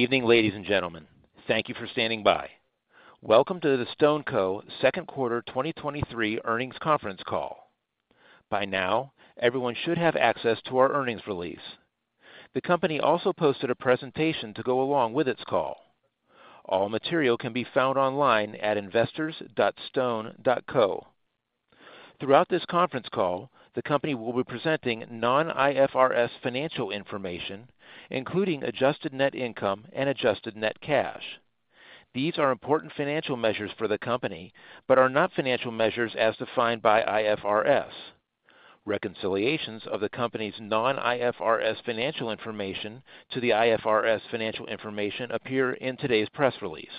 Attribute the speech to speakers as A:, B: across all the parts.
A: Good evening, ladies and gentlemen. Thank you for standing by. Welcome to the StoneCo second quarter 2023 earnings conference call. By now, everyone should have access to our earnings release. The company also posted a presentation to go along with its call. All material can be found online at investors.stone.co. Throughout this conference call, the company will be presenting non-IFRS financial information, including adjusted net income and adjusted net cash. These are important financial measures for the company, but are not financial measures as defined by IFRS. Reconciliations of the company's non-IFRS financial information to the IFRS financial information appear in today's press release.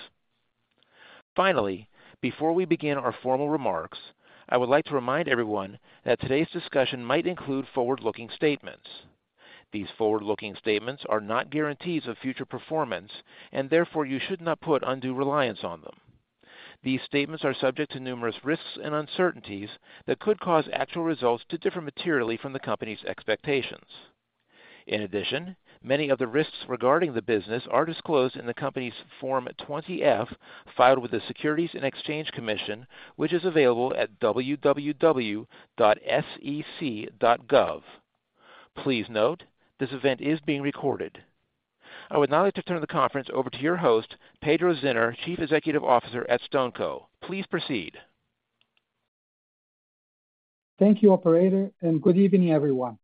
A: Finally, before we begin our formal remarks, I would like to remind everyone that today's discussion might include forward-looking statements. These forward-looking statements are not guarantees of future performance, and therefore you should not put undue reliance on them. These statements are subject to numerous risks and uncertainties that could cause actual results to differ materially from the company's expectations. In addition, many of the risks regarding the business are disclosed in the company's Form 20-F, filed with the Securities and Exchange Commission, which is available at www.sec.gov. Please note, this event is being recorded. I would now like to turn the conference over to your host, Pedro Zinner, Chief Executive Officer at StoneCo. Please proceed.
B: Thank you, operator, and good evening, everyone.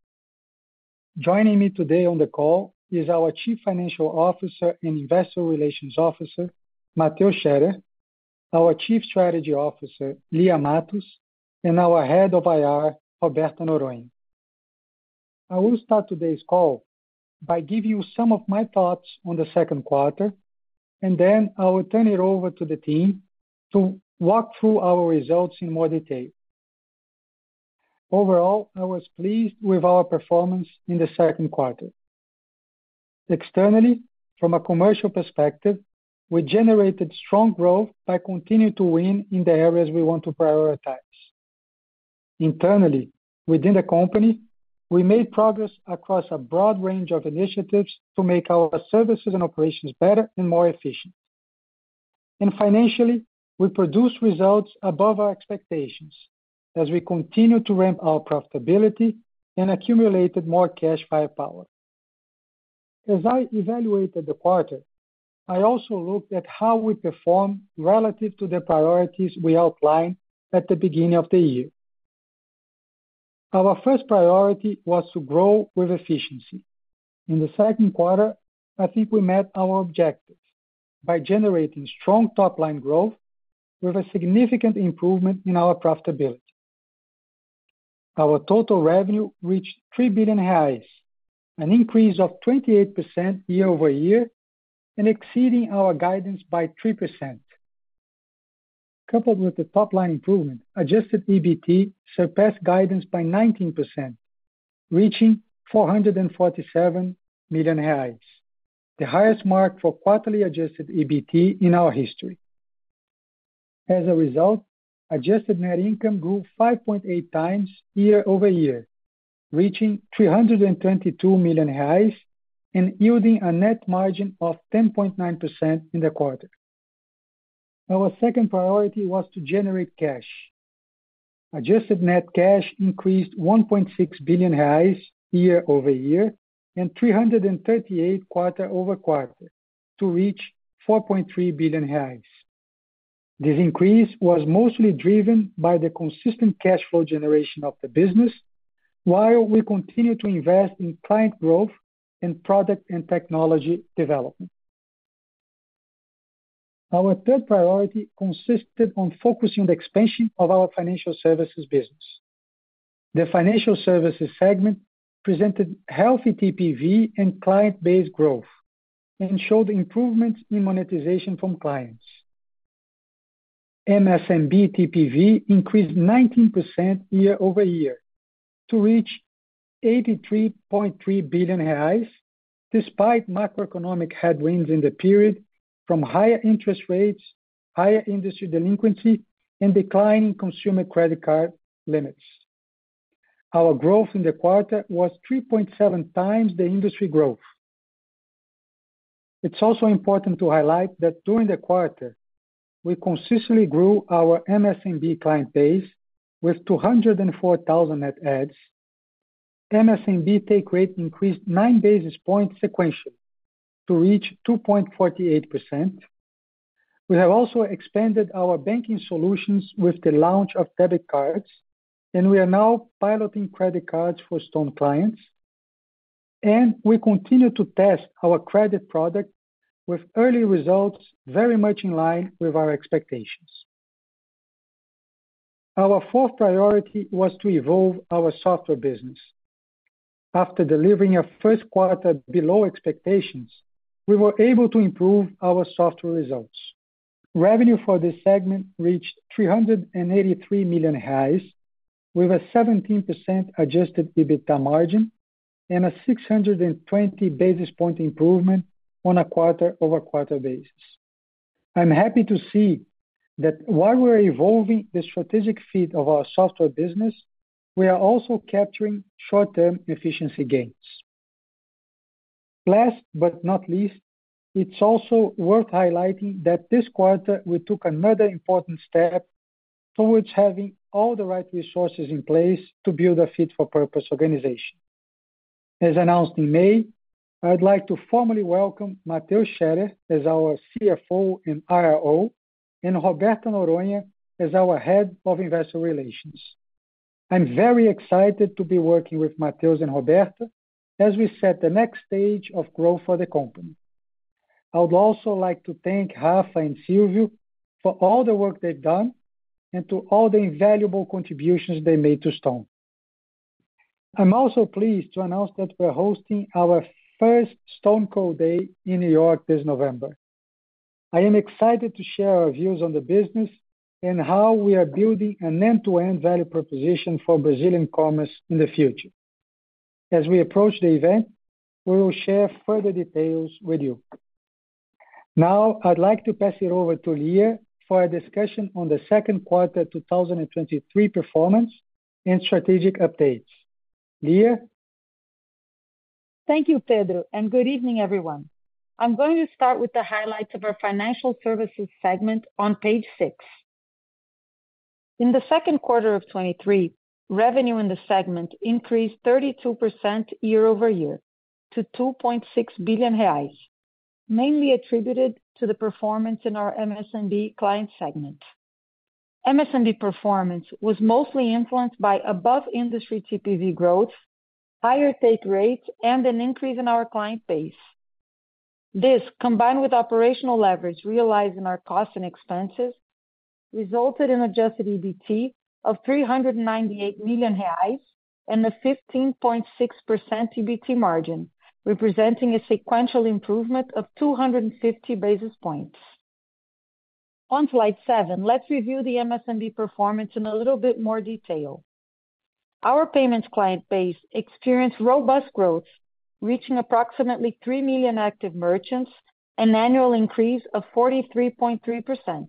B: Joining me today on the call is our Chief Financial Officer and Investor Relations Officer, Mateus Scherer, our Chief Strategy Officer, Lia Matos, and our Head of IR, Roberta Noronha. I will start today's call by giving you some of my thoughts on the second quarter, and then I will turn it over to the team to walk through our results in more detail. Overall, I was pleased with our performance in the second quarter. Externally, from a commercial perspective, we generated strong growth by continuing to win in the areas we want to prioritize. Internally, within the company, we made progress across a broad range of initiatives to make our services and operations better and more efficient. Financially, I produced results above our expectations as we continue to ramp our profitability and accumulated more cash firepower. As I evaluated the quarter, I also looked at how we perform relative to the priorities we outlined at the beginning of the year. Our first priority was to grow with efficiency. In the second quarter, I think we met our objectives by generating strong top-line growth with a significant improvement in our profitability. Our total revenue reached 3 billion reais, an increase of 28% year-over-year, and exceeding our guidance by 3%. Coupled with the top-line improvement, adjusted EBT surpassed guidance by 19%, reaching 447 million reais, the highest mark for quarterly adjusted EBT in our history. As a result, adjusted net income grew 5.8x year-over-year, reaching 322 million, and yielding a net margin of 10.9% in the quarter. Our second priority was to generate cash. Adjusted net cash increased 1.6 billion reais year-over-year, and 338 quarter-over-quarter to reach 4.3 billion reais. This increase was mostly driven by the consistent cash flow generation of the business, while we continue to invest in client growth and product and technology development. Our third priority consisted on focusing the expansion of our Financial Services business. The Financial Services segment presented healthy TPV and client-based growth and showed improvements in monetization from clients. MSMB TPV increased 19% year-over-year to reach 83.3 billion reais, despite macroeconomic headwinds in the period from higher interest rates, higher industry delinquency, and declining consumer credit card limits. Our growth in the quarter was 3.7x the industry growth. It's also important to highlight that during the quarter, we consistently grew our MSMB client base with 204,000 net adds. MSMB take rate increased 9 basis points sequentially to reach 2.48%. We have also expanded our banking solutions with the launch of debit cards. We are now piloting credit cards for Stone clients. We continue to test our credit product with early results, very much in line with our expectations. Our fourth priority was to evolve our Software business. After delivering a first quarter below expectations, we were able to improve our software results. Revenue for this segment reached 383 million, with a 17% adjusted EBITDA margin and a 620 basis point improvement on a quarter-over-quarter basis. I'm happy to see that while we're evolving the strategic fit of our Software business, we are also capturing short-term efficiency gains. Last but not least, it's also worth highlighting that this quarter we took another important step towards having all the right resources in place to build a fit-for-purpose organization. As announced in May, I'd like to formally welcome Mateus Scherer as our CFO and IRO, and Roberta Noronha as our Head of Investor Relations. I'm very excited to be working with Mateus and Roberta, as we set the next stage of growth for the company. I would also like to thank Rafa and Silvio for all the work they've done, and to all the invaluable contributions they made to Stone. I'm also pleased to announce that we're hosting our first StoneCo Day in New York this November. I am excited to share our views on the business, and how we are building an end-to-end value proposition for Brazilian commerce in the future. As we approach the event, we will share further details with you. Now, I'd like to pass it over to Lia for a discussion on the second quarter 2023 performance and strategic updates. Lia?
C: Thank you, Pedro. Good evening, everyone. I'm going to start with the highlights of our Financial Services segment on page six. In the second quarter of 2023, revenue in the segment increased 32% year-over-year to 2.6 billion reais, mainly attributed to the performance in our MSMB client segment. MSMB performance was mostly influenced by above industry TPV growth, higher take rates, and an increase in our client base. This, combined with operational leverage realized in our costs and expenses, resulted in adjusted EBT of 398 million reais and a 15.6% EBT margin, representing a sequential improvement of 250 basis points. On slide seven, let's review the MSMB performance in a little bit more detail. Our payments client base experienced robust growth, reaching approximately 3 million active merchants, an annual increase of 43.3%.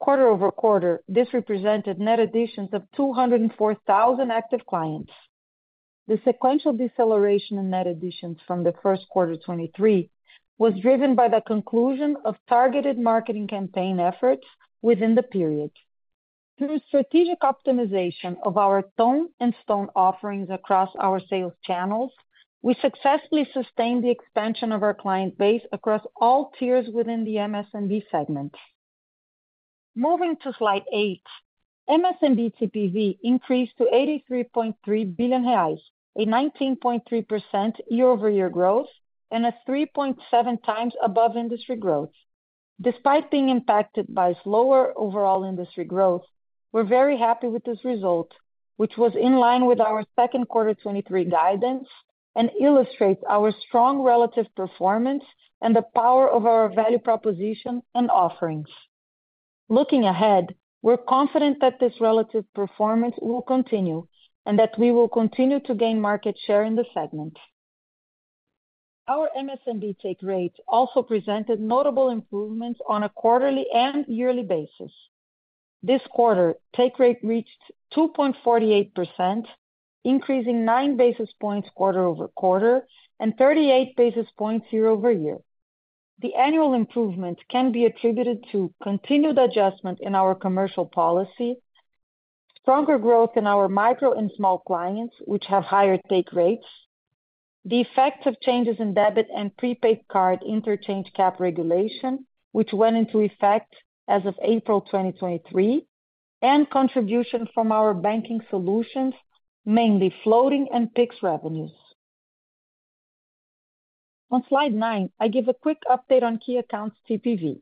C: Quarter-over-quarter, this represented net additions of 204,000 active clients. The sequential deceleration in net additions from the first quarter 2023, was driven by the conclusion of targeted marketing campaign efforts within the period. Through strategic optimization of our Ton and Stone offerings across our sales channels, we successfully sustained the expansion of our client base across all tiers within the MSMB segment. Moving to slide eight, MSMB TPV increased to 83.3 billion reais, a 19.3% year-over-year growth, and a 3.7x above industry growth. Despite being impacted by slower overall industry growth, we're very happy with this result, which was in line with our seconnd quarter 2023 guidance, and illustrates our strong relative performance and the power of our value proposition and offerings. Looking ahead, we're confident that this relative performance will continue, and that we will continue to gain market share in the segment. Our MSMB take rate also presented notable improvements on a quarterly and yearly basis. This quarter, take rate reached 2.48%, increasing 9 basis points quarter-over-quarter, and 38 basis points year-over-year. The annual improvement can be attributed to continued adjustment in our commercial policy, stronger growth in our micro and small clients, which have higher take rates, the effect of changes in debit and prepaid card interchange cap regulation, which went into effect as of April 2023, and contribution from our banking solutions, mainly floating and fixed revenues. On slide nine, I give a quick update on key accounts TPV.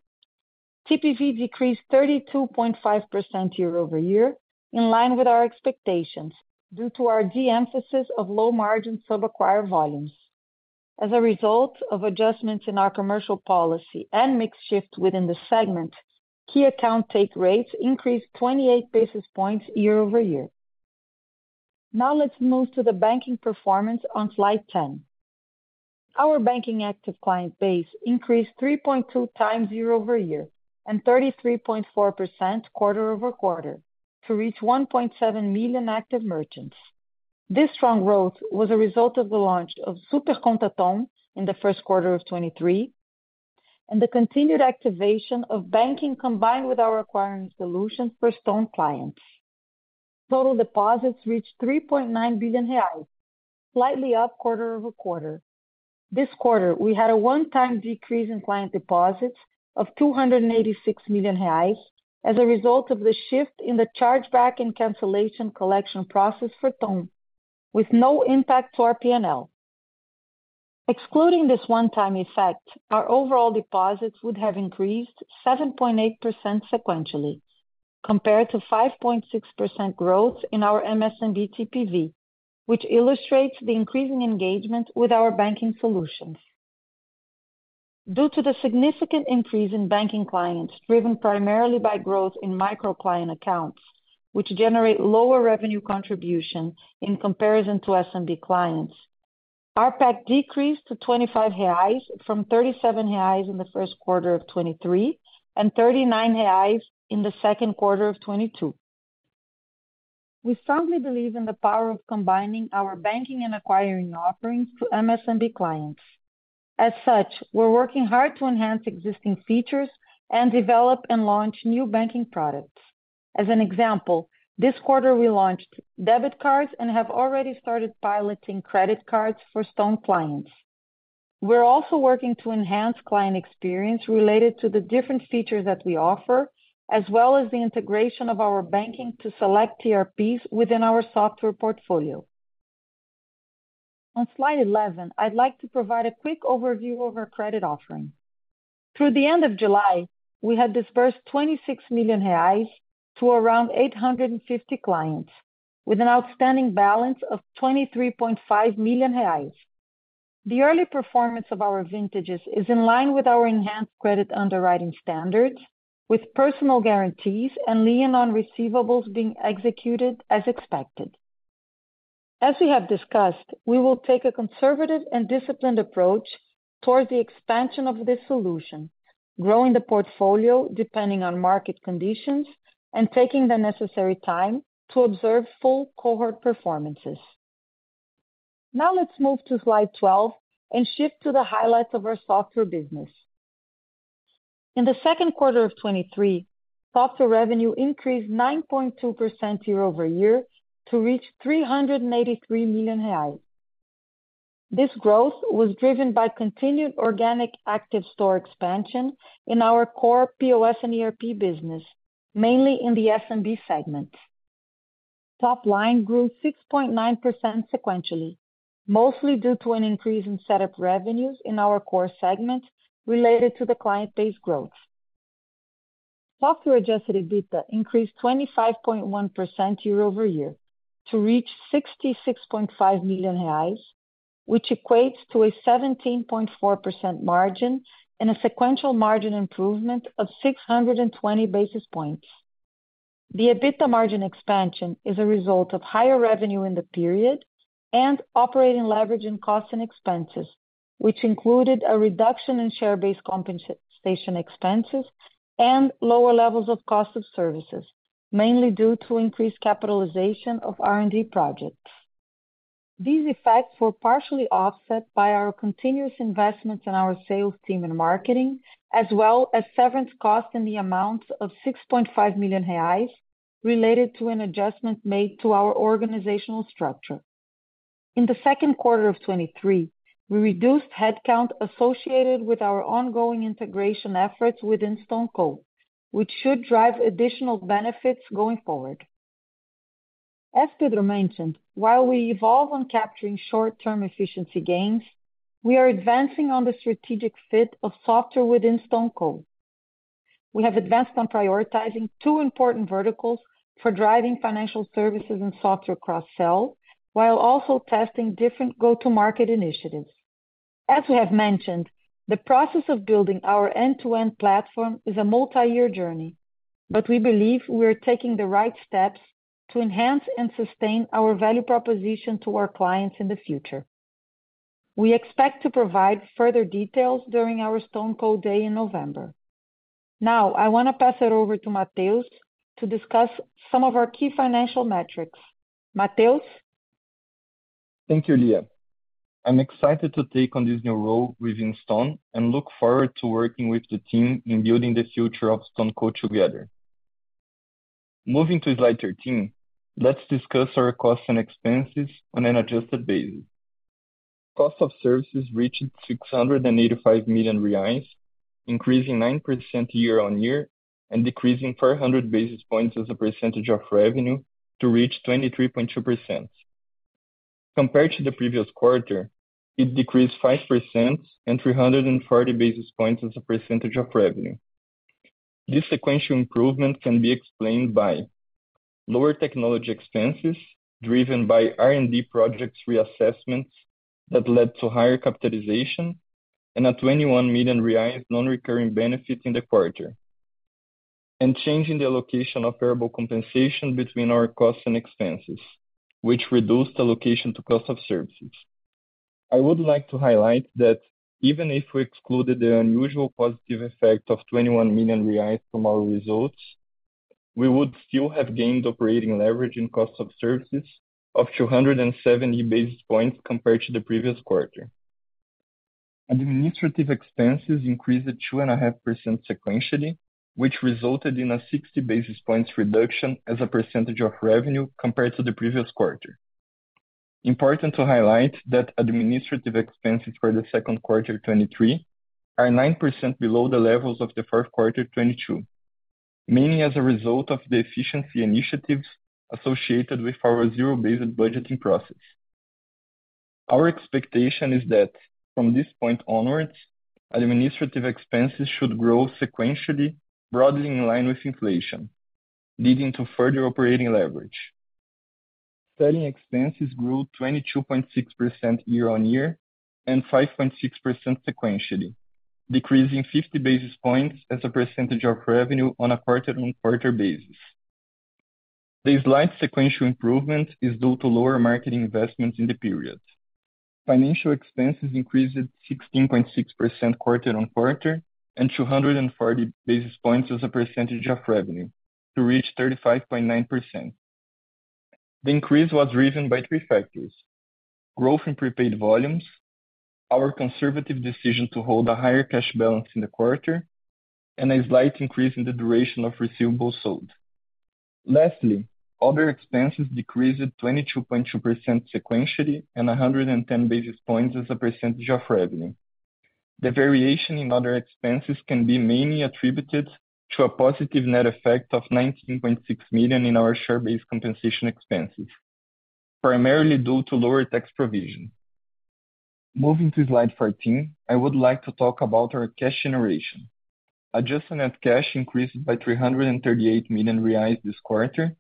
C: TPV decreased 32.5% year-over-year, in line with our expectations, due to our de-emphasis of low margin sub-acquire volumes. As a result of adjustments in our commercial policy and mix shift within the segment, key account take rates increased 28 basis points year-over-year. Now, let's move to the banking performance on slide 10. Our banking active client base increased 3.2x year-over-year, and 33.4% quarter-over-quarter, to reach 1.7 million active merchants. This strong growth was a result of the launch of Super Conta Ton in the first quarter of 2023, and the continued activation of banking, combined with our acquiring solutions for Stone clients. Total deposits reached 3.9 billion reais, slightly up quarter-over-quarter. This quarter, we had a one-time decrease in client deposits of 286 million reais as a result of the shift in the chargeback and cancellation collection process for Ton, with no impact to our P&L. Excluding this one-time effect, our overall deposits would have increased 7.8% sequentially, compared to 5.6% growth in our MSMB TPV, which illustrates the increasing engagement with our banking solutions. Due to the significant increase in banking clients, driven primarily by growth in micro client accounts, which generate lower revenue contribution in comparison to SMB clients. ARPAC decreased to 25 reais from 37 reais in the first quarter of 2023, and 39 reais in the second quarter of 2022. We firmly believe in the power of combining our banking and acquiring offerings to MSMB clients. As such, we're working hard to enhance existing features and develop and launch new banking products. As an example, this quarter we launched debit cards and have already started piloting credit cards for Stone clients. We're also working to enhance client experience related to the different features that we offer, as well as the integration of our banking to select ERPs within our software portfolio. On slide 11, I'd like to provide a quick overview of our credit offering. Through the end of July, we had disbursed 26 million reais to around 850 clients, with an outstanding balance of 23.5 million reais. The early performance of our vintages is in line with our enhanced credit underwriting standards, with personal guarantees and lien on receivables being executed as expected. As we have discussed, we will take a conservative and disciplined approach towards the expansion of this solution, growing the portfolio depending on market conditions and taking the necessary time to observe full cohort performances. Now, let's move to slide 12 and shift to the highlights of our Software business. In the second quarter of 2023, software revenue increased 9.2% year-over-year to reach 383 million reais. This growth was driven by continued organic active store expansion in our core POS and ERP business, mainly in the SMB segment. Top line grew 6.9% sequentially, mostly due to an increase in setup revenues in our core segment related to the client base growth. Software adjusted EBITDA increased 25.1% year-over-year to reach 66.5 million reais, which equates to a 17.4% margin and a sequential margin improvement of 620 basis points. The EBITDA margin expansion is a result of higher revenue in the period and operating leverage in costs and expenses, which included a reduction in share-based compensation expenses and lower levels of cost of services, mainly due to increased capitalization of R&D projects. These effects were partially offset by our continuous investments in our sales team and marketing, as well as severance costs in the amounts of 6.5 million reais, related to an adjustment made to our organizational structure. In the second quarter of 2023, we reduced headcount associated with our ongoing integration efforts within StoneCo, which should drive additional benefits going forward. As Pedro mentioned, while we evolve on capturing short-term efficiency gains, we are advancing on the strategic fit of software within StoneCo. We have advanced on prioritizing two important verticals for driving financial services and software cross-sell, while also testing different go-to-market initiatives. As we have mentioned, the process of building our end-to-end platform is a multi-year journey, but we believe we are taking the right steps to enhance and sustain our value proposition to our clients in the future. We expect to provide further details during our StoneCo Day in November. Now, I want to pass it over to Mateus to discuss some of our key financial metrics. Mateus?
D: Thank you, Lia. I'm excited to take on this new role within Stone and look forward to working with the team in building the future of StoneCo together. Moving to slide 13, let's discuss our costs and expenses on an adjusted basis. Cost of services reached 685 million reais, increasing 9% year-over-year and decreasing 400 basis points as a percentage of revenue to reach 23.2%. Compared to the previous quarter, it decreased 5% and 340 basis points as a percentage of revenue. This sequential improvement can be explained by lower technology expenses, driven by R&D projects reassessments that led to higher capitalization and a 21 million reais non-recurring benefit in the quarter. Changing the allocation of variable compensation between our costs and expenses, which reduced allocation to cost of services. I would like to highlight that even if we excluded the unusual positive effect of 21 million reais from our results, we would still have gained operating leverage in cost of services of 270 basis points compared to the previous quarter. Administrative expenses increased 2.5% sequentially, which resulted in a 60 basis points reduction as a percentage of revenue compared to the previous quarter. Important to highlight that administrative expenses for the second quarter 2023 are 9% below the levels of the first quarter 2022, mainly as a result of the efficiency initiatives associated with our zero-based budgeting process. Our expectation is that from this point onwards, administrative expenses should grow sequentially, broadly in line with inflation, leading to further operating leverage. Selling expenses grew 22.6% year-over-year and 5.6% sequentially, decreasing 50 basis points as a percentage of revenue on a quarter-over-quarter basis. The slight sequential improvement is due to lower marketing investments in the period. Financial expenses increased 16.6% quarter-over-quarter, and 240 basis points as a percentage of revenue to reach 35.9%. The increase was driven by three factors: growth in prepaid volumes, our conservative decision to hold a higher cash balance in the quarter, and a slight increase in the duration of receivables sold. Lastly, other expenses decreased 22.2% sequentially and 110 basis points as a percentage of revenue. The variation in other expenses can be mainly attributed to a positive net effect of 19.6 million in our share-based compensation expenses, primarily due to lower tax provision. Moving to slide 14, I would like to talk about our cash generation. Adjusted net cash increased by 338 million reais this quarter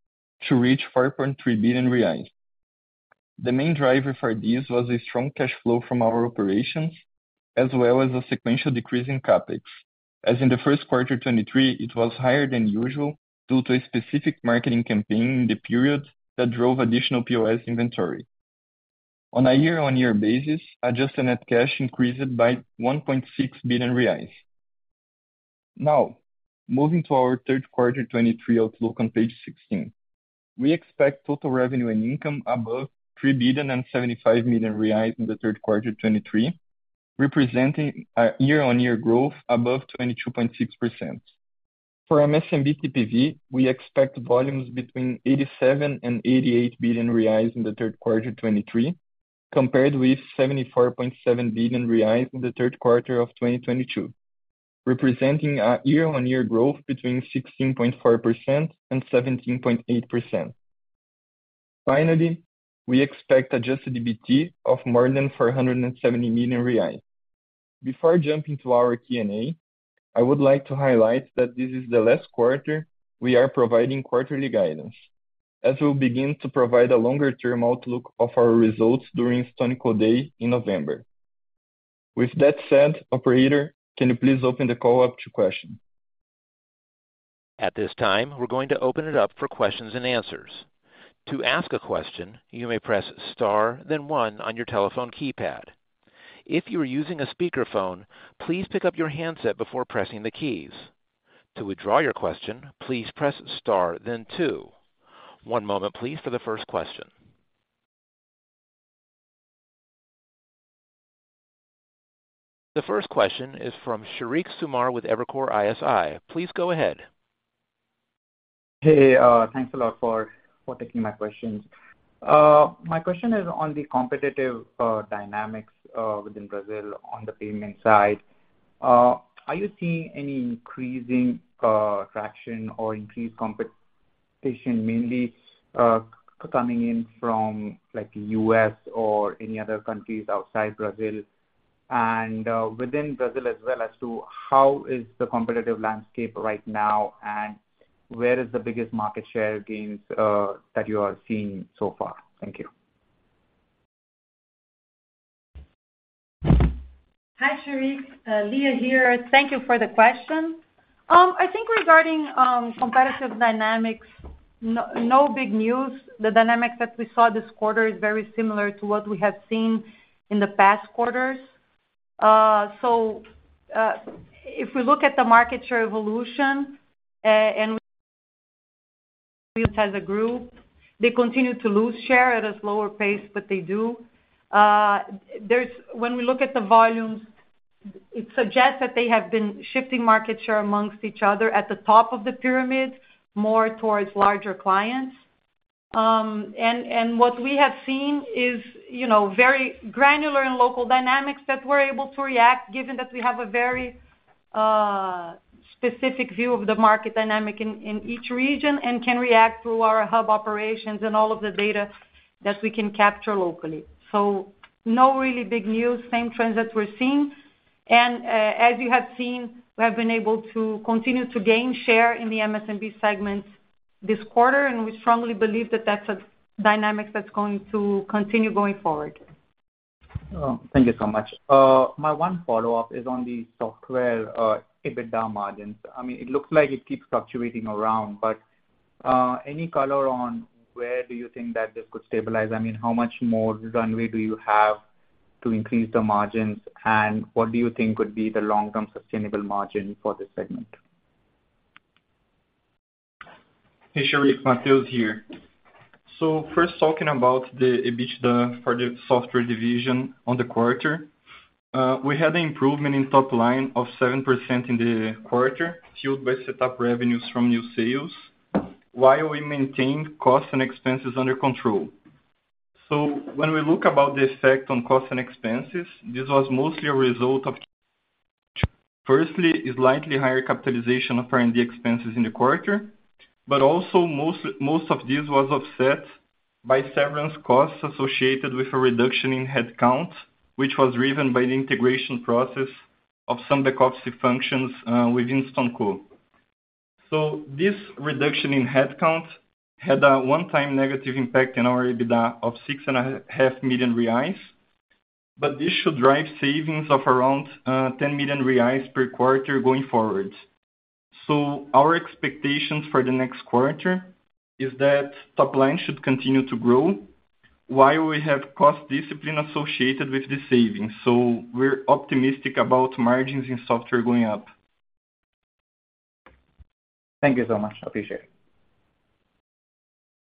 D: to reach 4.3 billion reais. The main driver for this was a strong cash flow from our operations, as well as a sequential decrease in CapEx, as in the first quarter 2023, it was higher than usual due to a specific marketing campaign in the period that drove additional POS inventory. On a year-over-year basis, adjusted net cash increased by 1.6 billion reais. Moving to our third quarter 2023 outlook on page 16. We expect total revenue and income above 3.075 billion in the third quarter 2023, representing a year-on-year growth above 22.6%. For MSMB TPV, we expect volumes between 87 billion-88 billion reais in the third quarter 2023, compared with 74.7 billion reais in the third quarter of 2022, representing a year-on-year growth between 16.4%-17.8%. Finally, we expect adjusted EBT of more than 470 million reais. Before jumping to our Q&A, I would like to highlight that this is the last quarter we are providing quarterly guidance, as we'll begin to provide a longer-term outlook of our results during StoneCo Day in November. With that said, operator, can you please open the call up to question?
A: At this time, we're going to open it up for questions and answers. To ask a question, you may press star, then one on your telephone keypad. If you are using a speakerphone, please pick up your handset before pressing the keys. To withdraw your question, please press star, then two. One moment, please, for the first question. The first question is from Sheriq Sumar with Evercore ISI. Please go ahead.
E: Hey, thanks a lot for taking my questions. My question is on the competitive dynamics within Brazil on the payment side. Are you seeing any increasing traction or increased competition, mainly coming in from, like, U.S. or any other countries outside Brazil? Within Brazil, as well as to how is the competitive landscape right now, and where is the biggest market share gains that you are seeing so far? Thank you.
C: Hi, Sheriq, Lia here. Thank you for the question. I think regarding competitive dynamics, no, no big news. The dynamics that we saw this quarter is very similar to what we have seen in the past quarters. If we look at the market share evolution, as a group, they continue to lose share at a slower pace, but they do. When we look at the volumes, it suggests that they have been shifting market share amongst each other at the top of the pyramid, more towards larger clients. What we have seen is, you know, very granular and local dynamics that we're able to react, given that we have a very specific view of the market dynamic in each region and can react through our hub operations and all of the data that we can capture locally. No really big news, same trends that we're seeing. As you have seen, we have been able to continue to gain share in the MSMB segments this quarter, and we strongly believe that that's a dynamic that's going to continue going forward.
E: Thank you so much. My one follow-up is on the software EBITDA margins. It looks like it keeps fluctuating around, any color on where do you think that this could stabilize? How much more runway do you have to increase the margins, and what do you think could be the long-term sustainable margin for this segment?
D: Hey, Sheriq, Mateus here. First, talking about the EBITDA for the software division on the quarter. we had an improvement in top line of 7% in the quarter, fueled by set-up revenues from new sales, while we maintained costs and expenses under control. When we look about the effect on costs and expenses, this was mostly a result of firstly, a slightly higher capitalization of R&D expenses in the quarter, but also most, most of this was offset by severance costs associated with a reduction in headcount, which was driven by the integration process of some back-office functions within StoneCo. This reduction in headcount had a one-time negative impact in our EBITDA of 6.5 million reais. But this should drive savings of around 10 million reais per quarter going forward. Our expectations for the next quarter is that top line should continue to grow while we have cost discipline associated with the savings. We're optimistic about margins in software going up.
E: Thank you so much. I appreciate it.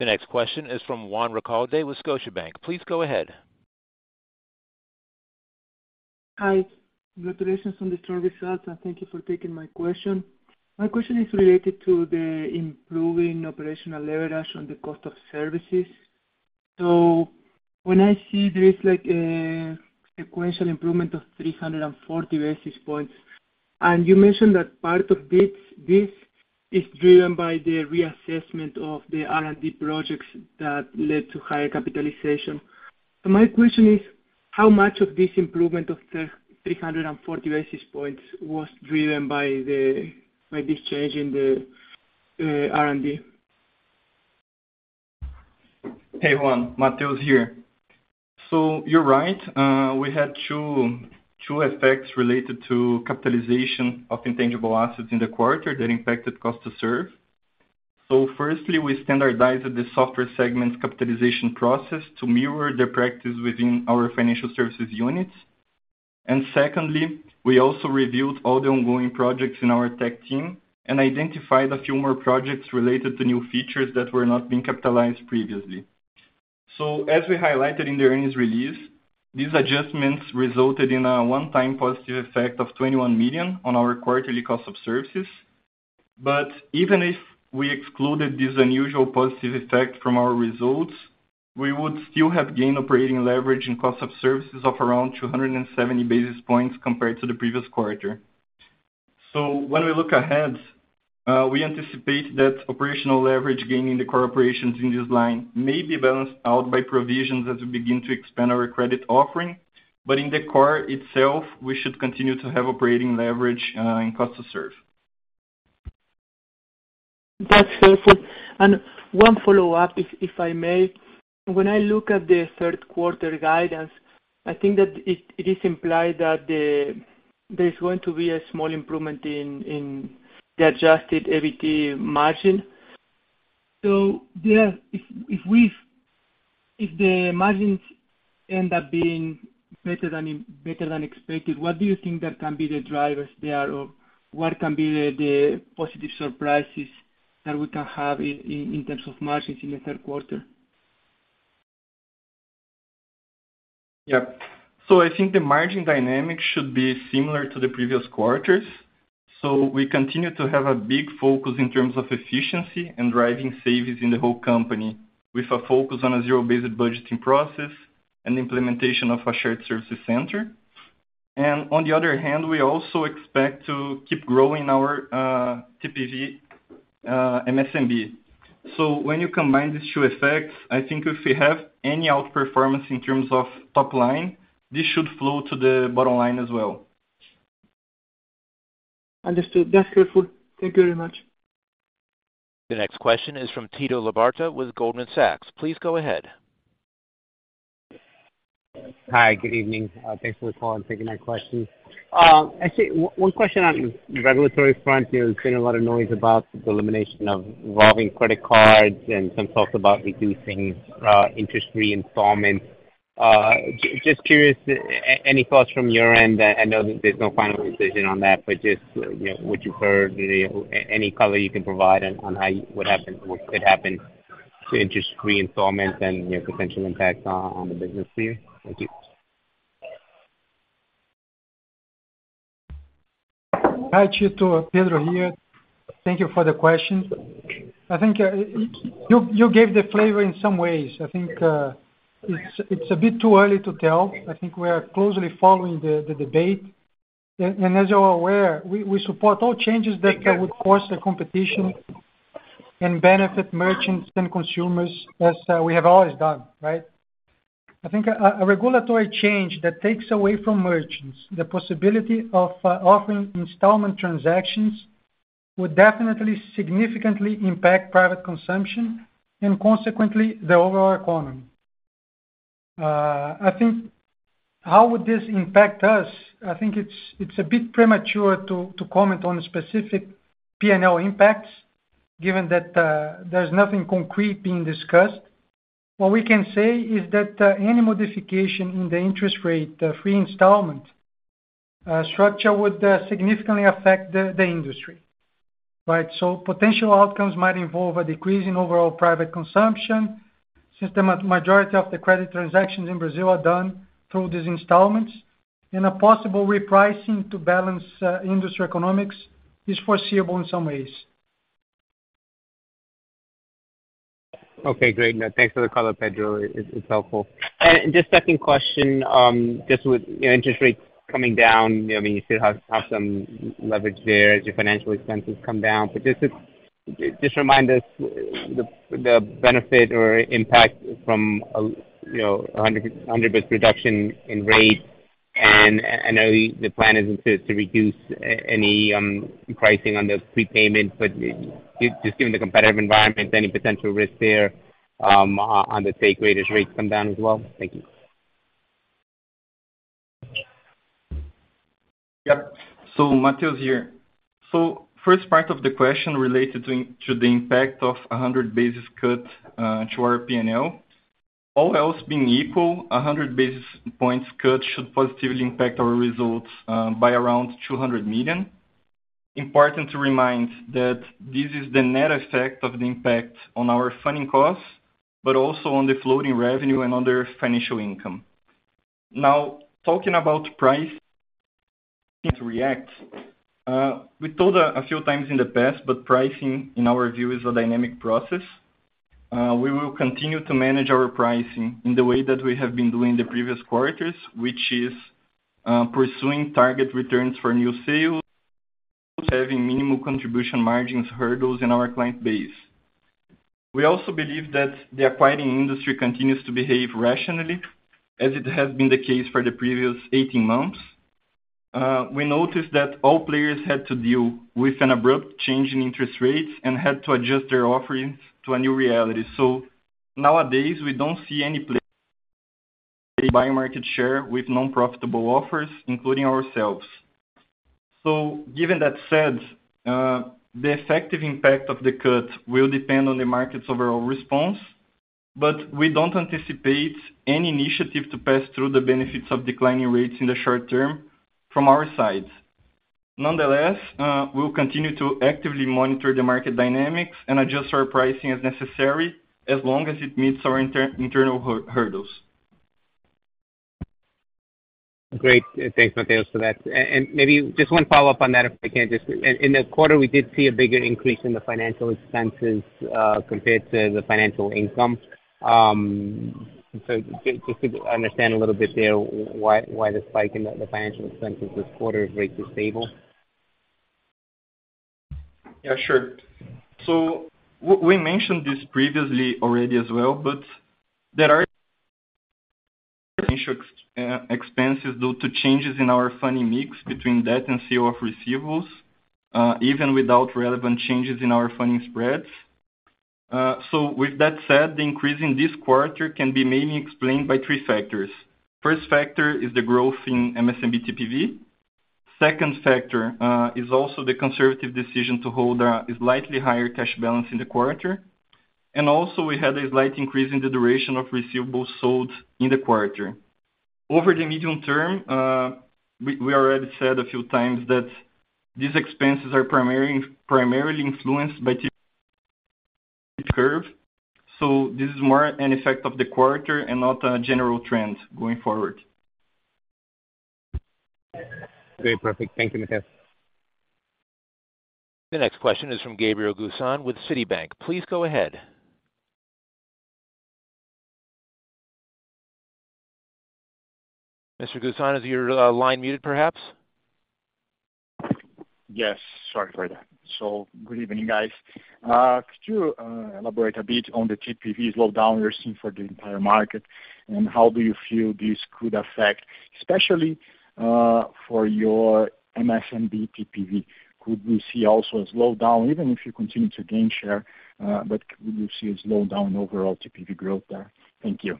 A: The next question is from Juan Recalde with Scotiabank. Please go ahead.
F: Hi. Congratulations on the strong results, and thank you for taking my question. My question is related to the improving operational leverage on the cost of services. When I see there is a sequential improvement of 340 basis points, and you mentioned that part of this, this is driven by the reassessment of the R&D projects that led to higher capitalization. My question is, how much of this improvement of the 340 basis points was driven by the, by this change in the R&D?
D: Hey, Juan, Mateus here. You're right. We had two effects related to capitalization of intangible assets in the quarter that impacted cost to serve. Firstly, we standardized the Software segment's capitalization process to mirror the practice within our financial services units. Secondly, we also reviewed all the ongoing projects in our tech team and identified a few more projects related to new features that were not being capitalized previously. As we highlighted in the earnings release, these adjustments resulted in a one-time positive effect of 21 million on our quarterly cost of services. Even if we excluded this unusual positive effect from our results, we would still have gained operating leverage and cost of services of around 270 basis points compared to the previous quarter. When we look ahead, we anticipate that operational leverage gain in the core operations in this line may be balanced out by provisions as we begin to expand our credit offering, but in the core itself, we should continue to have operating leverage in cost to serve.
F: That's helpful. One follow-up, if I may. When I look at the third quarter guidance, I think that it is implied that the there's going to be a small improvement in the adjusted EBT margin. There, if the margins end up being better than expected, what do you think that can be the drivers there? What can be the positive surprises that we can have in terms of margins in the third quarter?
D: Yep. I think the margin dynamics should be similar to the previous quarters. We continue to have a big focus in terms of efficiency and driving savings in the whole company, with a focus on a zero-based budgeting process and implementation of a shared services center. And on the other hand, we also expect to keep growing our TPV, MSMB. When you combine these two effects, I think if we have any outperformance in terms of top line, this should flow to the bottom line as well.
F: Understood. That's helpful. Thank you very much.
A: The next question is from Tito Labarta with Goldman Sachs. Please go ahead.
G: Hi, good evening. Thanks for the call and taking my question. Actually, one question on the regulatory front. There's been a lot of noise about the elimination of revolving credit cards and some talks about reducing interest-free installments. Just curious, any thoughts from your end? I know that there's no final decision on that, but just, you know, what you've heard, any color you can provide on, on how, what happened, what could happen to interest-free installments and, you know, potential impact on, on the business here? Thank you.
B: Hi, Tito. Pedro here. Thank you for the question. I think you, you gave the flavor in some ways. I think it's, it's a bit too early to tell. I think we are closely following the, the debate. As you're aware, we, we support all changes that would force the competition and benefit merchants and consumers, as we have always done, right? I think a regulatory change that takes away from merchants the possibility of offering installment transactions would definitely significantly impact private consumption and consequently, the overall economy. I think how would this impact us? I think it's, it's a bit premature to, to comment on specific P&L impacts, given that there's nothing concrete being discussed. What we can say is that any modification in the interest rate free installment structure would significantly affect the industry, right? Potential outcomes might involve a decrease in overall private consumption, since the majority of the credit transactions in Brazil are done through these installments, and a possible repricing to balance industry economics is foreseeable in some ways.
G: Okay, great. Now, thanks for the call, Pedro. It's, it's helpful. Just second question, just with interest rates coming down, I mean, you still have, have some leverage there as your financial expenses come down. Just remind us the, the benefit or impact from a you know, a 100 basis reduction in rates? I know the plan isn't to reduce any pricing on the prepayment, but just given the competitive environment, any potential risk there on the take rate as rates come down as well? Thank you.
D: Yep. Mateus here. First part of the question related to, to the impact of 100 basis cut, to our P&L. All else being equal, 100 basis points cut should positively impact our results, by around 200 million. Important to remind that this is the net effect of the impact on our funding costs, but also on the floating revenue and other financial income. Talking about price react, we told a few times in the past, but pricing, in our view, is a dynamic process. We will continue to manage our pricing in the way that we have been doing the previous quarters, which is, pursuing target returns for new sales, having minimal contribution margins, hurdles in our client base. We also believe that the acquiring industry continues to behave rationally, as it has been the case for the previous 18 months. We noticed that all players had to deal with an abrupt change in interest rates and had to adjust their offerings to a new reality. Nowadays, we don't see any place buy market share with non-profitable offers, including ourselves. Given that said, the effective impact of the cut will depend on the market's overall response, but we don't anticipate any initiative to pass through the benefits of declining rates in the short term from our side. We'll continue to actively monitor the market dynamics and adjust our pricing as necessary, as long as it meets our internal hurdles.
G: Great. Thanks, Mateus, for that. Maybe just one follow-up on that, if I can just. In the quarter, we did see a bigger increase in the financial expenses compared to the financial income. Just to understand a little bit there, why the spike in the financial expenses this quarter is rate is stable?
D: Yeah, sure. So we mentioned this previously already as well, but there are potential expenses due to changes in our funding mix between debt and sale of receivables, even without relevant changes in our funding spreads. With that said, the increase in this quarter can be mainly explained by three factors. First factor is the growth in MSMB TPV. Second factor is also the conservative decision to hold a slightly higher cash balance in the quarter. Also, we had a slight increase in the duration of receivables sold in the quarter. Over the medium term, we already said a few times that these expenses are primarily, primarily influtenced by the curve, so this is more an effect of the quarter and not a general trend going forward.
G: Great, perfect. Thank you, Mateus Scherer.
A: The next question is from Gabriel Gusan with Citibank. Please go ahead. Mr. Gusan, is your line muted, perhaps?
H: Yes, sorry for that. Good evening, guys. Could you elaborate a bit on the TPV slowdown you're seeing for the entire market, and how do you feel this could affect, especially, for your MSMB TPV? Could we see also a slowdown, even if you continue to gain share, but could we see a slowdown overall TPV growth there? Thank you.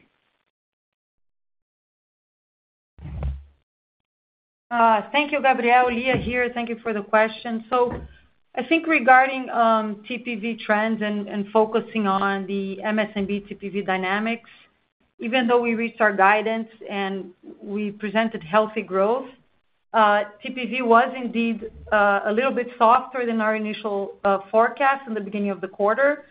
C: Thank you, Gabriel. Lia here. Thank you for the question. I think regarding TPV trends and focusing on the MSMB TPV dynamics, even though we reached our guidance and we presented healthy growth, TPV was indeed a little bit softer than our initial forecast in the beginning of the quarter.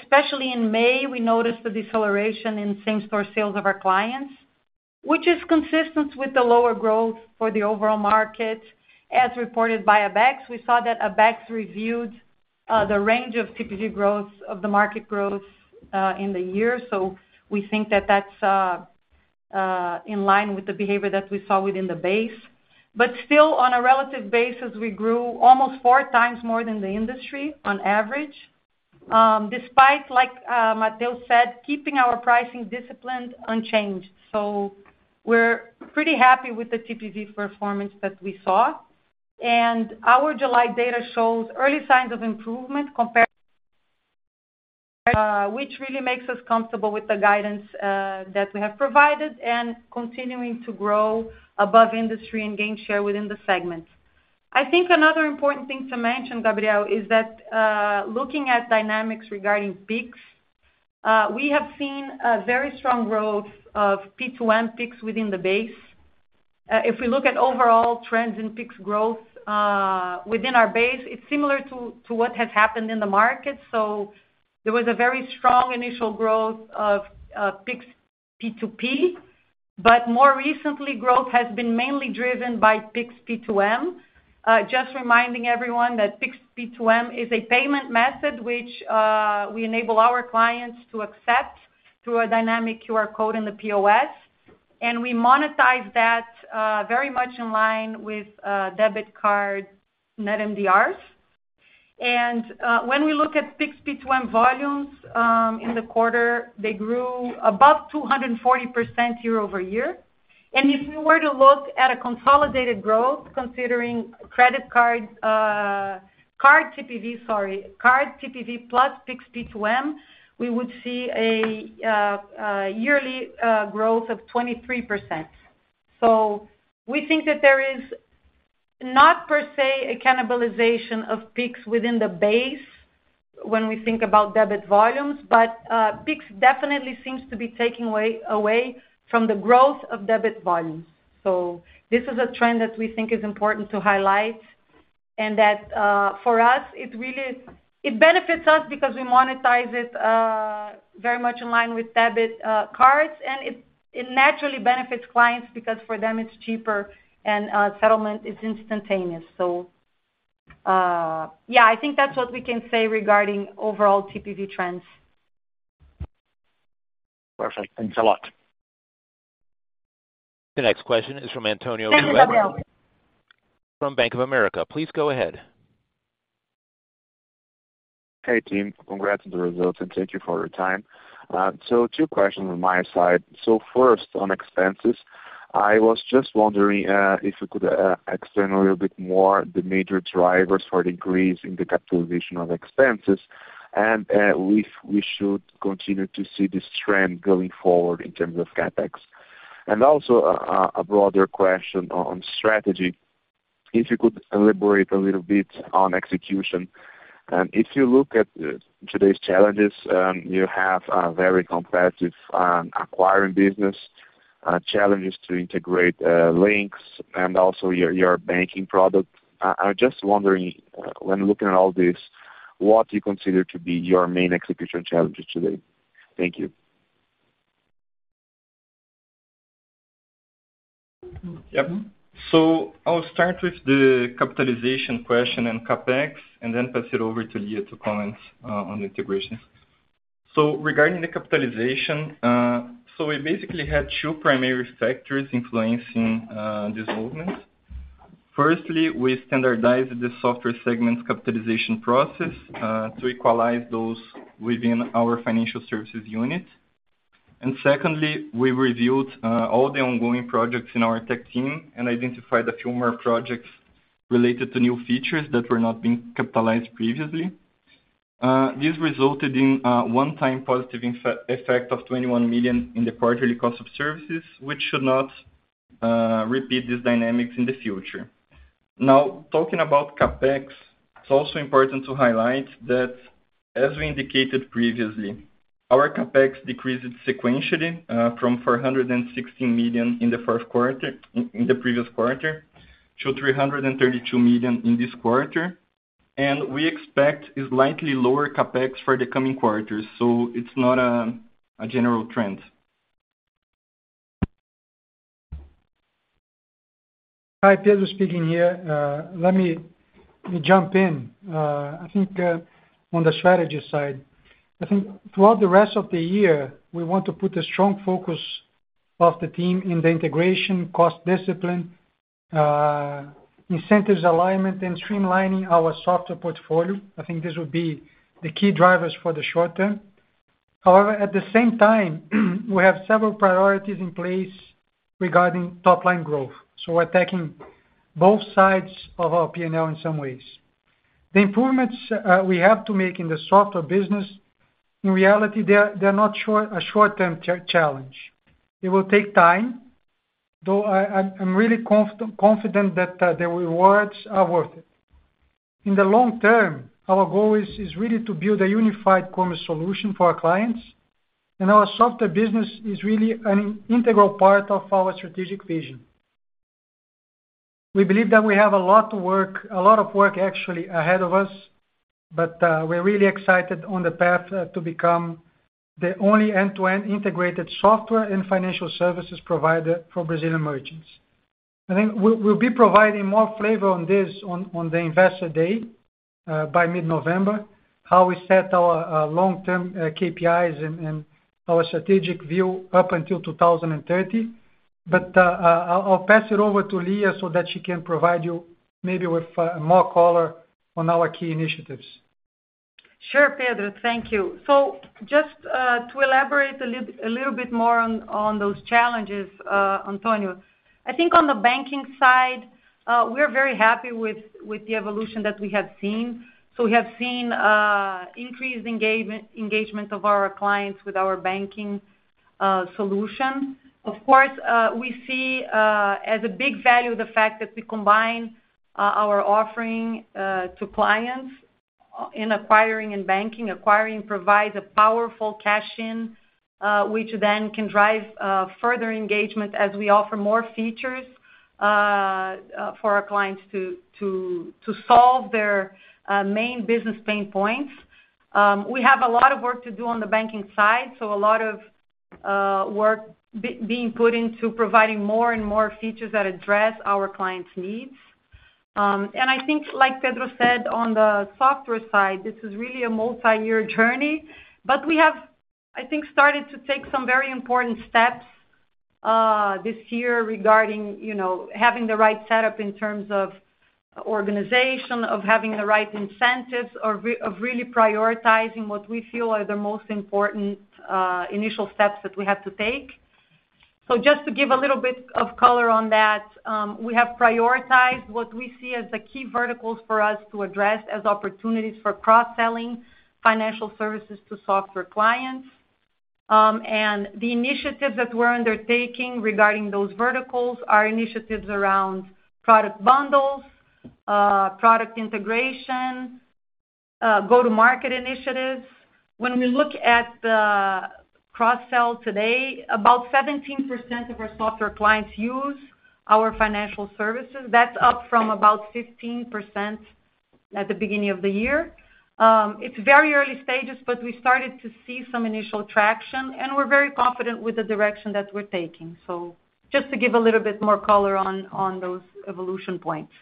C: Especially in May, we noticed the deceleration in same store sales of our clients, which is consistent with the lower growth for the overall market, as reported by ABECS. We saw that ABECS reviewed the range of TPV growth, of the market growth, in the year. We think that that's in line with the behavior that we saw within the base. Still, on a relative basis, we grew almost 4x more than the industry on average, despite, like, Mateus said, keeping our pricing discipline unchanged. We're pretty happy with the TPV performance that we saw, and our July data shows early signs of improvement compared, which really makes us comfortable with the guidance that we have provided, and continuing to grow above industry and gain share within the segment. I think another important thing to mention, Gabriel, is that, looking at dynamics regarding PIX, we have seen a very strong growth of P2M PIX within the base. If we look at overall trends in PIX growth, within our base, it's similar to what has happened in the market. There was a very strong initial growth of PIX P2P, but more recently, growth has been mainly driven by PIX P2M. Just reminding everyone that PIX P2M is a payment method, which we enable our clients to accept through a dynamic QR code in the POS, and we monetize that very much in line with debit card Net MDRs. When we look at PIX P2M volumes in the quarter, they grew above 240% year-over-year. If we were to look at a consolidated growth, considering credit card, card TPV, sorry, card TPV plus PIX P2M, we would see a yearly growth of 23%. We think that there is not per se, a cannibalization of PIX within the base when we think about debit volumes, but PIX definitely seems to be taking way away from the growth of debit volumes. This is a trend that we think is important to highlight, and that for us, it benefits us because we monetize it very much in line with debit cards, and it naturally benefits clients because for them it's cheaper and settlement is instantaneous. Yeah, I think that's what we can say regarding overall TPV trends.
H: Perfect. Thanks a lot.
A: The next question is from Antonio.
C: Thank you, Gabriel.
A: From Bank of America. Please go ahead.
I: Hey, team. Congrats on the results, and thank you for your time. Two questions on my side. First, on expenses, I was just wondering if you could explain a little bit more the major drivers for the increase in the capitalization of expenses, and if we should continue to see this trend going forward in terms of CapEx? Also, a broader question on strategy, if you could elaborate a little bit on execution. If you look at today's challenges, you have a very competitive acquiring business, challenges to integrate Linx and also your banking product. I'm just wondering, when looking at all this, what do you consider to be your main execution challenges today? Thank you.
D: Yep. I'll start with the capitalization question and CapEx, and then pass it over to Lia to comment on the integration. Regarding the capitalization, we basically had two primary factors influencing this movement. Firstly, we standardized the Software segment's capitalization process to equalize those within our financial services unit. Secondly, we reviewed all the ongoing projects in our tech team and identified a few more projects related to new features that were not being capitalized previously. This resulted in a one-time positive effect of 21 million in the quarterly cost of services, which should not repeat these dynamics in the future. Talking about CapEx, it's also important to highlight that, as we indicated previously, our CapEx decreased sequentially from 416 million in the first quarter, in the previous quarter, to 332 million in this quarter. We expect a slightly lower CapEx for the coming quarters, so it's not a general trend.
B: Hi, Pedro speaking here. Let me, let me jump in. On the strategy side, I think throughout the rest of the year, we want to put a strong focus of the team in the integration, cost discipline, incentives, alignment, and streamlining our software portfolio. I think this would be the key drivers for the short term. At the same time, we have several priorities in place regarding top-line growth, so we're attacking both sides of our P&L in some ways. The improvements we have to make in the Software business, in reality, they are, they're not a short-term challenge. It will take time, though, I'm really confident that the rewards are worth it. In the long term, our goal is really to build a unified commerce solution for our clients, and our Software business is really an integral part of our strategic vision. We believe that we have a lot of work actually ahead of us, we're really excited on the path to become the only end-to-end integrated software and financial services provider for Brazilian merchants. I think we'll be providing more flavor on this on the Investor Day by mid-November, how we set our long-term KPIs and our strategic view up until 2030. I'll pass it over to Lia so that she can provide you maybe with more color on our key initiatives.
C: Sure, Pedro, thank you. Just to elaborate a little bit more on those challenges, Antonio, I think on the banking side, we're very happy with the evolution that we have seen. We have seen increased engagement of our clients with our banking solution. Of course, we see as a big value the fact that we combine our offering to clients in acquiring and banking. Acquiring provides a powerful cash-in, which then can drive further engagement as we offer more features for our clients to solve their main business pain points. We have a lot of work to do on the banking side, so a lot of work being put into providing more and more features that address our clients' needs. I think, like Pedro said, on the software side, this is really a multi-year journey, but we have, I think, started to take some very important steps, this year regarding, you know, having the right setup in terms of organization, of having the right incentives, of really prioritizing what we feel are the most important, initial steps that we have to take. Just to give a little bit of color on that, we have prioritized what we see as the key verticals for us to address as opportunities for cross-selling financial services to software clients. The initiatives that we're undertaking regarding those verticals are initiatives around product bundles, product integration, go-to-market initiatives. When we look at the cross-sell today, about 17% of our software clients use our financial services. That's up from about 15% at the beginning of the year. It's very early stages, but we started to see some initial traction, and we're very confident with the direction that we're taking. Just to give a little bit more color on, on those evolution points.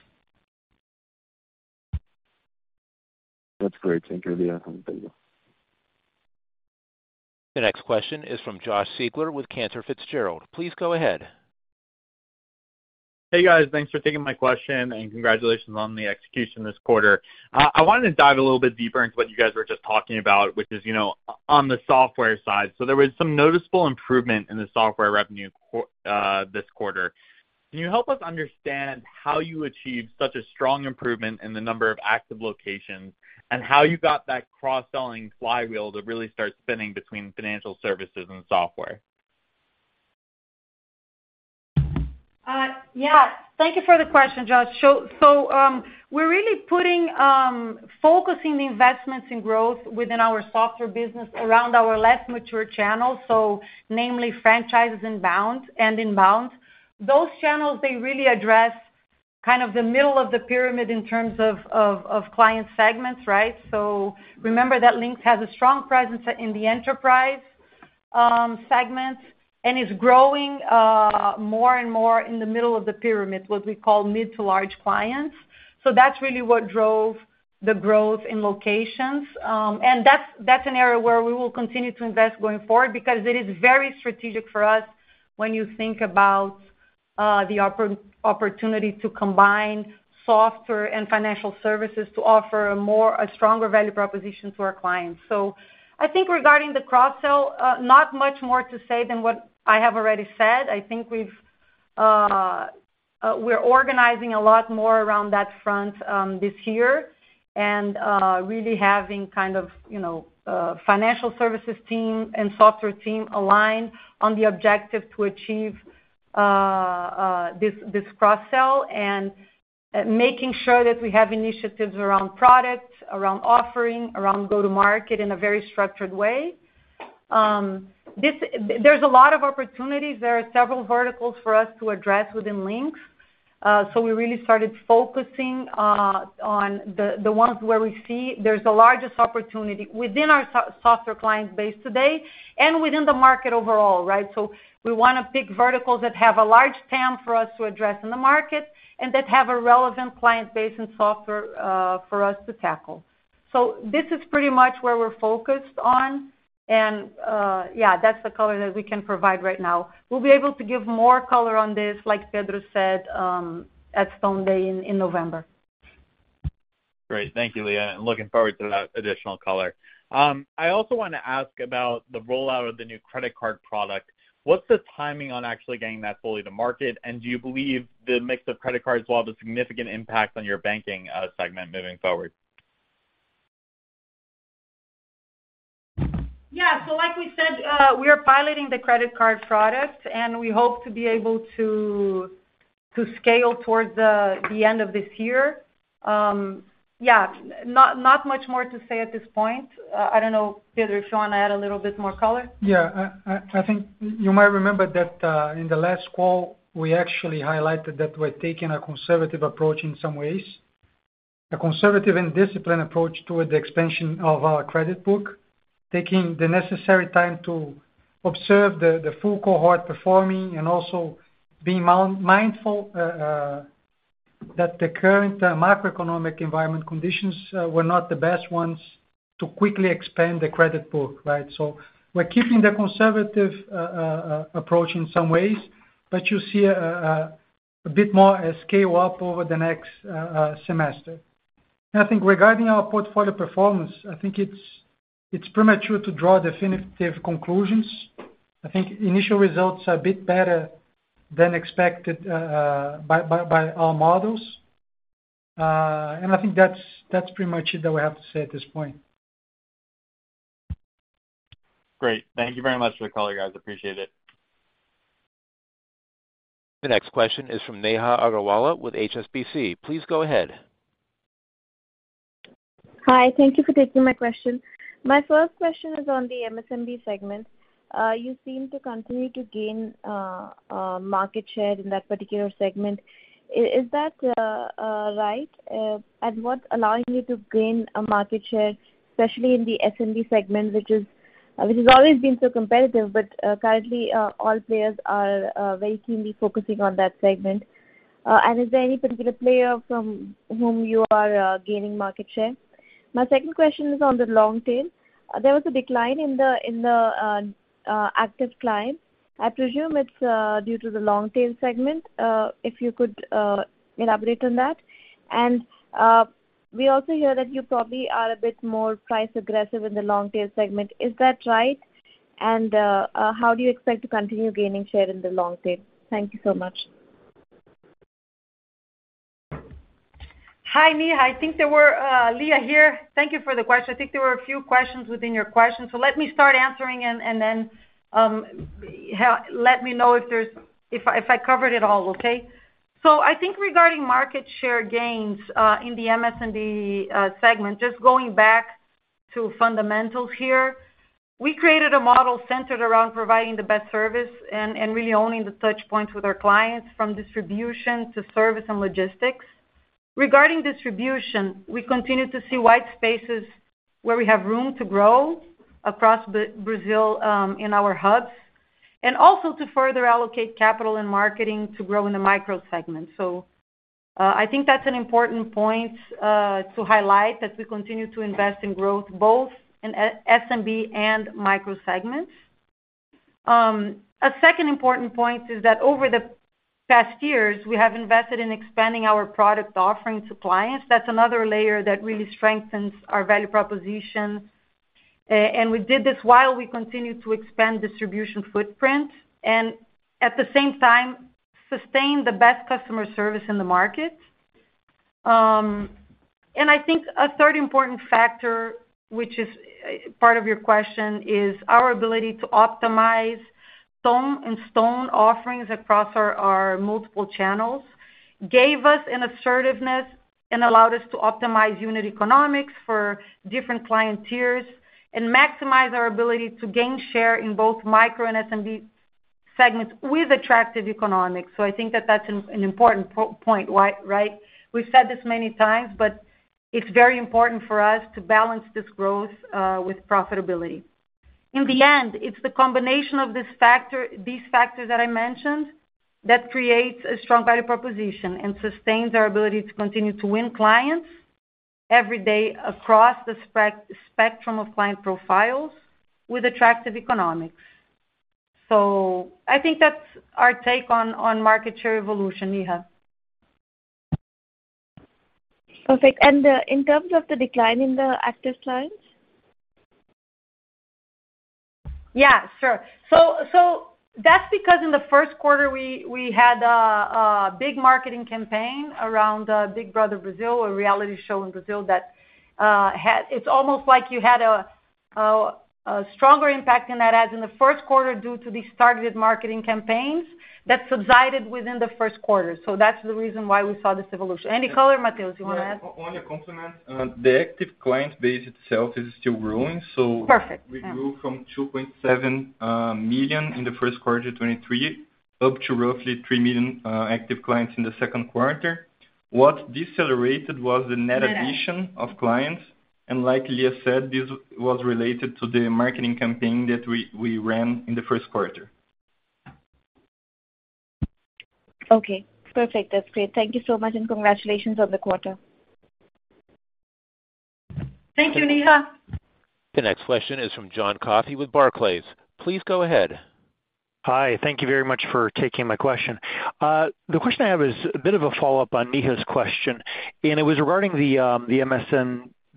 I: That's great. Thank you, Lia and Pedro.
A: The next question is from Josh Siegler with Cantor Fitzgerald. Please go ahead.
J: Hey, guys. Thanks for taking my question, and congratulations on the execution this quarter. I wanted to dive a little bit deeper into what you guys were just talking about, which is, you know, on the software side. There was some noticeable improvement in the software revenue this quarter. Can you help us understand how you achieved such a strong improvement in the number of active locations, and how you got that cross-selling flywheel to really start spinning between financial services and software?
C: Yeah, thank you for the question, Josh. So, we're really putting, focusing the investments in growth within our Software business around our less mature channels, namely franchises and inbound. Those channels, they really address kind of the middle of the pyramid in terms of client segments, right? Remember that Linx has a strong presence in the enterprise segment, and is growing more and more in the middle of the pyramid, what we call mid to large clients. That's really what drove the growth in locations. And that's, that's an area where we will continue to invest going forward, because it is very strategic for us when you think about the opportunity to combine software and financial services to offer a stronger value proposition to our clients. I think regarding the cross-sell, not much more to say than what I have already said. I think we've, we're organizing a lot more around that front, this year, and, really having kind of, you know, financial services team and software team aligned on the objective to achieve, this, this cross-sell, and making sure that we have initiatives around product, around offering, around go-to-market in a very structured way. There's a lot of opportunities. There are several verticals for us to address within Linx. So we really started focusing, on the, the ones where we see there's the largest opportunity within our software client base today and within the market overall, right? We wanna pick verticals that have a large TAM for us to address in the market, and that have a relevant client base and software for us to tackle. This is pretty much where we're focused on, and, yeah, that's the color that we can provide right now. We'll be able to give more color on this, like Pedro said, at Stone Day in November.
J: Great. Thank you, Lia, and looking forward to that additional color. I also want to ask about the rollout of the new credit card product. What's the timing on actually getting that fully to market? Do you believe the mix of credit cards will have a significant impact on your banking segment moving forward?
C: Yeah. So like we said, we are piloting the credit card product, and we hope to be able to, to scale towards the end of this year. Yeah, not, not much more to say at this point. I don't know, Pedro, if you want to add a little bit more color?
B: Yeah, I think you might remember that, in the last call, we actually highlighted that we're taking a conservative approach in some ways. A conservative and disciplined approach toward the expansion of our credit book, taking the necessary time to observe the full cohort performing and also being mindful that the current macroeconomic environment conditions were not the best ones to quickly expand the credit book, right? We're keeping the conservative approach in some ways, but you see a bit more scale up over the next semester. I think regarding our portfolio performance, I think it's premature to draw definitive conclusions. I think initial results are a bit better than expected by our models. I think that's, that's pretty much it that we have to say at this point.
J: Great. Thank you very much for the color, guys. Appreciate it.
A: The next question is from Neha Agarwala with HSBC. Please go ahead.
K: Hi. Thank you for taking my question. My first question is on the MSMB segment. You seem to continue to gain market share in that particular segment. Is that right? What's allowing you to gain a market share, especially in the SMB segment, which is, which has always been so competitive, but currently all players are very keenly focusing on that segment. Is there any particular player from whom you are gaining market share? My second question is on the long tail. There was a decline in the active client. I presume it's due to the long tail segment. If you could elaborate on that. We also hear that you probably are a bit more price aggressive in the long tail segment. Is that right? How do you expect to continue gaining share in the long tail? Thank you so much.
C: Hi, Neha. Lia here. Thank you for the question. I think there were a few questions within your question, so let me start answering and, and then let me know if there's if I, if I covered it all, okay? I think regarding market share gains in the MSMB segment, just going back to fundamentals here, we created a model centered around providing the best service and, and really owning the touch points with our clients, from distribution to service and logistics. Regarding distribution, we continue to see wide spaces where we have room to grow across Brazil in our hubs, and also to further allocate capital and marketing to grow in the Micro segment. I think that's an important point to highlight as we continue to invest in growth, both in SMB and Micro segments. A second important point is that over the past years, we have invested in expanding our product offering to clients. That's another layer that really strengthens our value proposition. We did this while we continued to expand distribution footprint and at the same time, sustain the best customer service in the market. I think a third important factor, which is part of your question, is our ability to optimize some installed offerings across our, our multiple channels, gave us an assertiveness and allowed us to optimize unit economics for different client tiers and maximize our ability to gain share in both Micro and SMB segments with attractive economics. I think that that's an important point, right? We've said this many times, but it's very important for us to balance this growth with profitability. In the end, it's the combination of these factors that I mentioned, that creates a strong value proposition and sustains our ability to continue to win clients every day across the spectrum of client profiles with attractive economics. So I think that's our take on, on market share evolution, Neha.
K: Perfect. In terms of the decline in the active clients?
C: Yeah, sure. That's because in the first quarter, we had a big marketing campaign around Big Brother Brasil, a reality show in Brazil that had a stronger impact in that ad in the first quarter due to the targeted marketing campaigns that subsided within the first quarter. That's the reason why we saw this evolution. Any color, Mateus, you want to add?
D: Only a complement. The active client base itself is still growing, so-
C: Perfect, yeah.
D: We grew from 2.7 million in the first quarter 2023, up to roughly 3 million active clients in the second quarter. What decelerated was the net-
C: Net
D: -addition of clients, and like Lia said, this was related to the marketing campaign that we, we ran in the first quarter.
K: Okay, perfect. That's great. Thank you so much, and congratulations on the quarter.
C: Thank you, Neha.
A: The next question is from John Coffey with Barclays. Please go ahead.
L: Hi. Thank you very much for taking my question. The question I have is a bit of a follow-up on Neha's question, and it was regarding the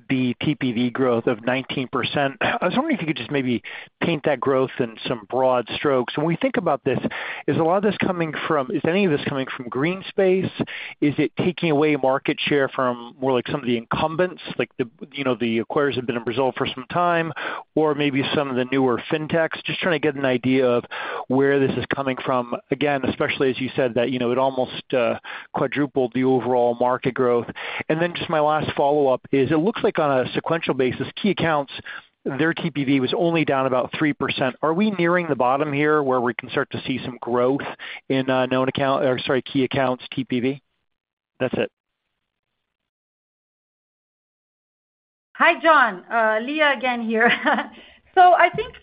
L: MSMB TPV growth of 19%. I was wondering if you could just maybe paint that growth in some broad strokes. When we think about this, is a lot of this coming from-- is any of this coming from greenspace? Is it taking away market share from more like some of the incumbents, like the, you know, the acquirers have been in Brazil for some time, or maybe some of the newer fintechs? Just trying to get an idea of where this is coming from. Again, especially as you said, that, you know, it almost quadrupled the overall market growth. Just my last follow-up is: it looks like on a sequential basis, key accounts, their TPV was only down about 3%. Are we nearing the bottom here, where we can start to see some growth in known account or sorry, key accounts TPV? That's it.
C: Hi, John, Lia again here. I think,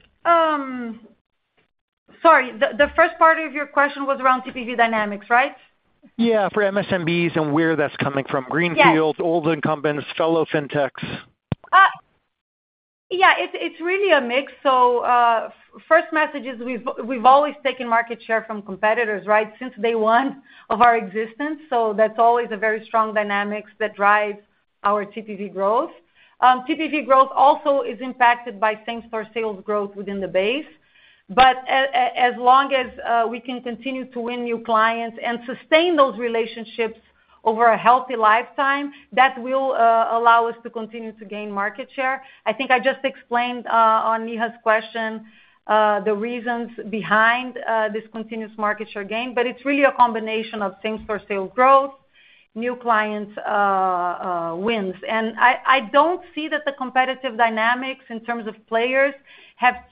C: sorry, the first part of your question was around TPV dynamics, right?
L: Yeah, for MSMBs and where that's coming from-
C: Yes
L: greenfield, old incumbents, fellow fintechs.
C: Yeah, it's, it's really a mix. First message is we've, we've always taken market share from competitors, right? Since day one of our existence. That's always a very strong dynamics that drives our TPV growth. TPV growth also is impacted by same-store sales growth within the base. As long as we can continue to win new clients and sustain those relationships over a healthy lifetime, that will allow us to continue to gain market share. I think I just explained on Neha's question, the reasons behind this continuous market share gain, but it's really a combination of same-store sales growth, new clients, wins. I, I don't see that the competitive dynamics in terms of players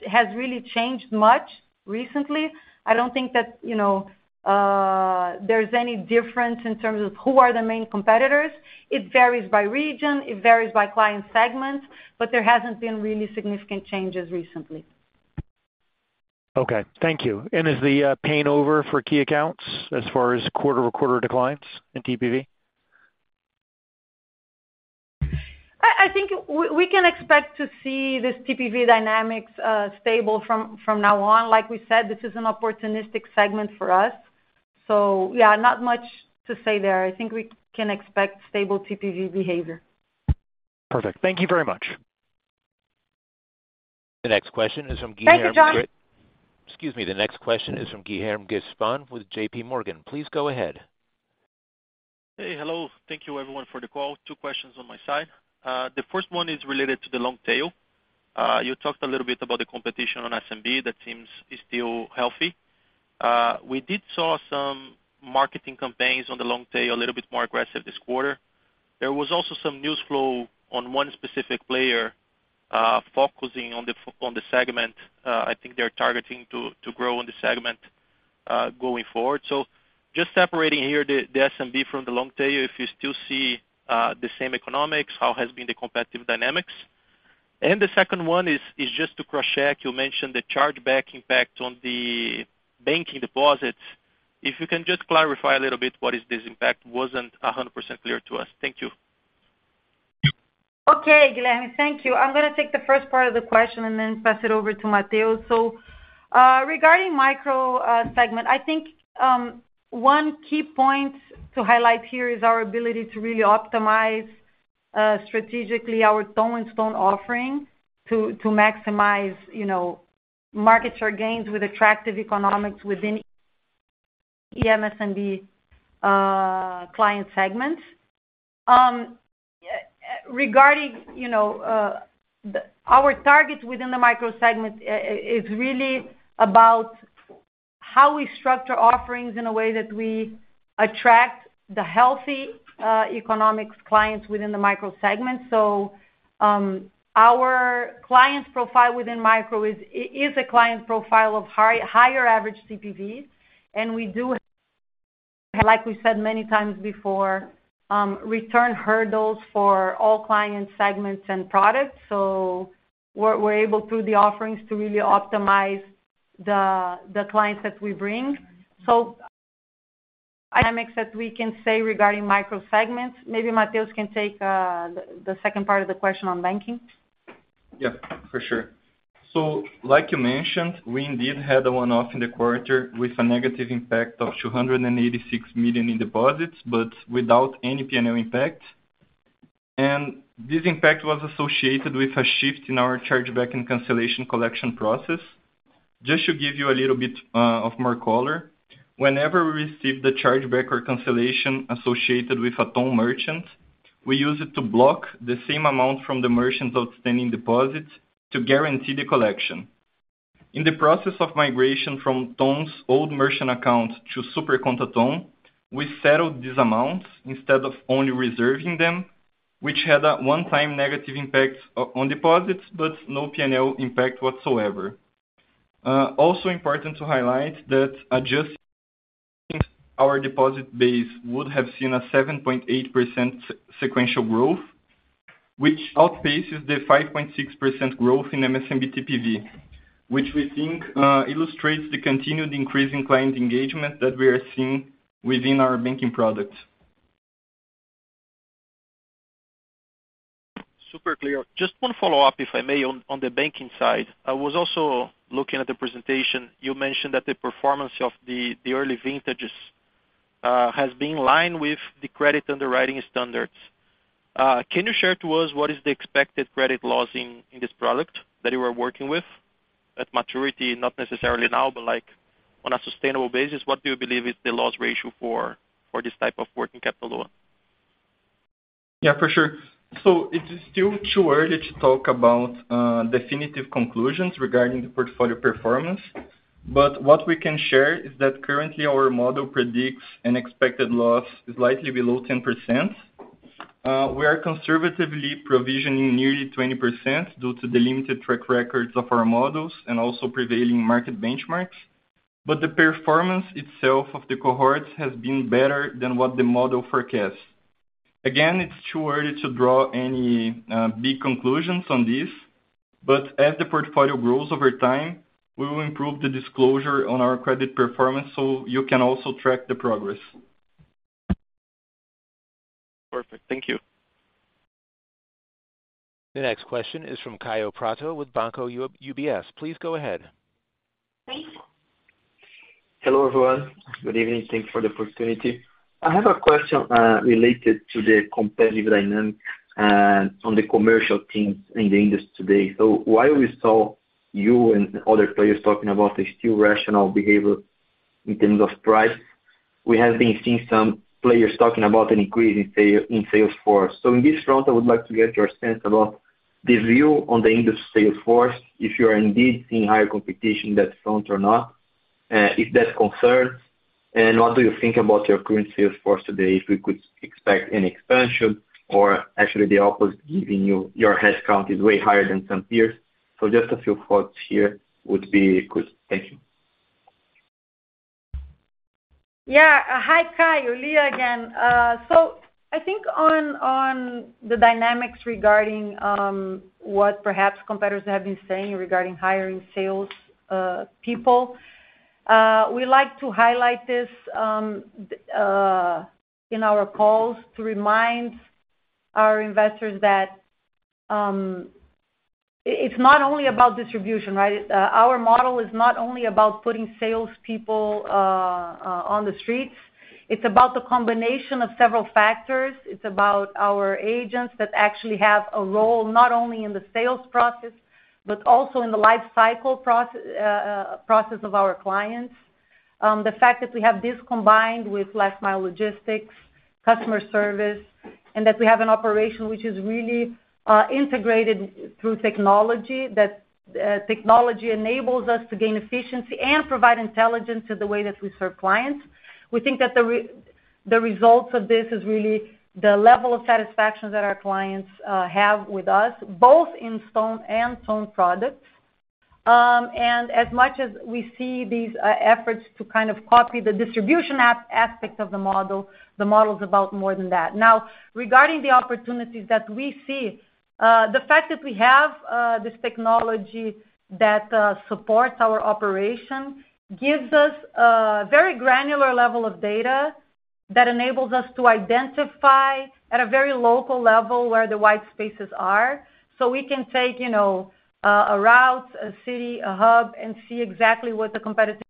C: has really changed much recently. I don't think that, you know, there's any difference in terms of who are the main competitors. It varies by region, it varies by client segments. There hasn't been really significant changes recently.
L: Okay, thank you. Is the pain over for key accounts as far as quarter-over-quarter declines in TPV?
C: I think we can expect to see this TPV dynamics stable from now on. Like we said, this is an opportunistic segment for us. Yeah, not much to say there. I think we can expect stable TPV behavior.
L: Perfect. Thank you very much.
A: The next question is from Guilherme.
C: Thank you, John.
A: Excuse me. The next question is from Guilherme Grespan with JPMorgan. Please go ahead.
M: Hey, hello. Thank you everyone for the call. Two questions on my side. The first one is related to the long tail. You talked a little bit about the competition on SMB, that seems is still healthy. We did saw some marketing campaigns on the long tail, a little bit more aggressive this quarter. There was also some news flow on one specific player, focusing on the segment. I think they're targeting to grow on the segment going forward. Just separating here the SMB from the long tail, if you still see the same economics, how has been the competitive dynamics? The second one is just to cross-check, you mentioned the chargeback impact on the banking deposits. If you can just clarify a little bit, what is this impact? Wasn't 100% clear to us. Thank you.
C: Okay, Guilherme, thank you. I'm gonna take the first part of the question and then pass it over to Mateus. So, regarding Micro segment, I think one key point to highlight here is our ability to really optimize strategically our Ton and Stone offering to maximize, you know, market share gains with attractive economics within MSMB client segments. Regarding, you know, our targets within the Micro segment is really about how we structure offerings in a way that we attract the healthy economics clients within the Micro segment. So, our clients profile within micro is a client profile of higher average TPVs, and we do, like we said many times before, return hurdles for all client segments and products. So we're able, through the offerings, to really optimize the clients that we bring. That we can say regarding Micro segments, maybe Mateus Scherer can take the second part of the question on banking.
D: Yeah, for sure. Like you mentioned, we indeed had a one-off in the quarter with a negative impact of 286 million in deposits, but without any P&L impact. This impact was associated with a shift in our charge-back and cancellation collection process. Just to give you a little bit of more color, whenever we receive the chargeback or cancellation associated with a Ton merchant, we use it to block the same amount from the merchant's outstanding deposits to guarantee the collection. In the process of migration from Ton's old merchant account to Super Conta Ton, we settled these amounts instead of only reserving them, which had a one-time negative impact on deposits, but no P&L impact whatsoever. Also important to highlight that adjusting our deposit base would have seen a 7.8% sequential growth, which outpaces the 5.6% growth in MSMB TPV, which we think illustrates the continued increase in client engagement that we are seeing within our banking products.
M: Super clear. Just one follow-up, if I may, on, on the banking side. I was also looking at the presentation. You mentioned that the performance of the, the early vintages, has been in line with the credit underwriting standards. Can you share to us what is the expected credit loss in, in this product that you are working with, at maturity, not necessarily now, but like on a sustainable basis, what do you believe is the loss ratio for, for this type of working capital loan?
D: Yeah, for sure. It is still too early to talk about definitive conclusions regarding the portfolio performance, but what we can share is that currently our model predicts an expected loss slightly below 10%. We are conservatively provisioning nearly 20% due to the limited track records of our models and also prevailing market benchmarks. The performance itself of the cohorts has been better than what the model forecasts. It's too early to draw any big conclusions on this, but as the portfolio grows over time, we will improve the disclosure on our credit performance, so you can also track the progress.
M: Perfect. Thank you.
A: The next question is from Kaio Prato with UBS. Please go ahead.
N: Hello, everyone. Good evening. Thanks for the opportunity. I have a question related to the competitive dynamic on the commercial teams in the industry today. While we saw you and other players talking about the still rational behavior in terms of price, we have been seeing some players talking about an increase in sales force. In this front, I would like to get your sense about the view on the industry sales force, if you are indeed seeing higher competition in that front or not, if that's concerned, and what do you think about your current sales force today? If we could expect any expansion or actually the opposite, given your headcount is way higher than some peers. Just a few thoughts here would be good. Thank you.
C: Yeah. Hi, Kaio, Lia again. I think on the dynamics regarding what perhaps competitors have been saying regarding hiring sales people, we like to highlight this in our calls to remind our investors that it's not only about distribution, right? Our model is not only about putting salespeople on the streets, it's about the combination of several factors. It's about our agents that actually have a role, not only in the sales process, but also in the life cycle process of our clients. The fact that we have this combined with last mile logistics, customer service, and that we have an operation which is really integrated through technology, that technology enables us to gain efficiency and provide intelligence to the way that we serve clients. We think that the results of this is really the level of satisfaction that our clients have with us, both in Stone and Ton products. As much as we see these efforts to kind of copy the distribution aspect of the model, the model is about more than that. Now, regarding the opportunities that we see, the fact that we have this technology that supports our operation, gives us a very granular level of data that enables us to identify at a very local level, where the white spaces are. We can take, you know, a route, a city, a hub, and see exactly what the competitive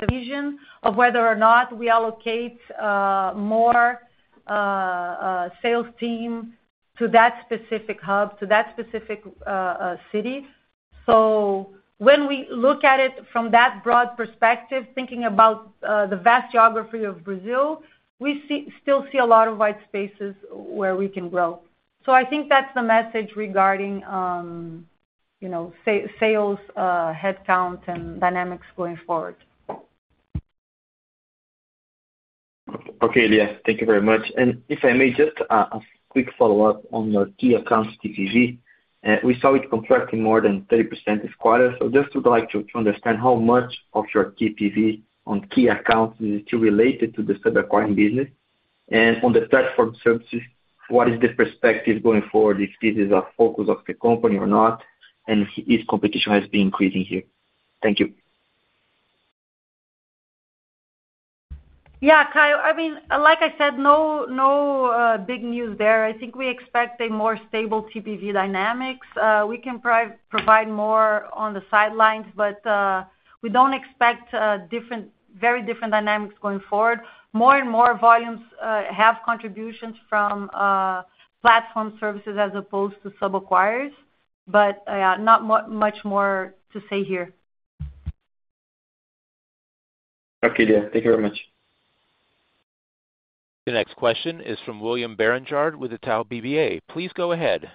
C: division of whether or not we allocate more a sales team to that specific hub, to that specific city. When we look at it from that broad perspective, thinking about the vast geography of Brazil, we still see a lot of white spaces where we can grow. I think that's the message regarding, you know, sales, headcount and dynamics going forward.
N: Okay, Lia. Thank you very much. If I may, just a quick follow-up on your key accounts, TPV. We saw it contracting more than 30% this quarter. Just would like to understand how much of your TPV on key accounts is still related to the sub-acquiring business. On the platform services, what is the perspective going forward, if this is a focus of the company or not, and if competition has been increasing here? Thank you.
C: Yeah, Kaio. I mean, like I said, no, no, big news there. I think we expect a more stable TPV dynamics. We can provide more on the sidelines, but we don't expect very different dynamics going forward. More and more volumes have contributions from platform services as opposed to sub-acquirers. Not much more to say here.
N: Okay, Lia. Thank you very much.
A: The next question is from William Barranjard, with Itaú BBA. Please go ahead.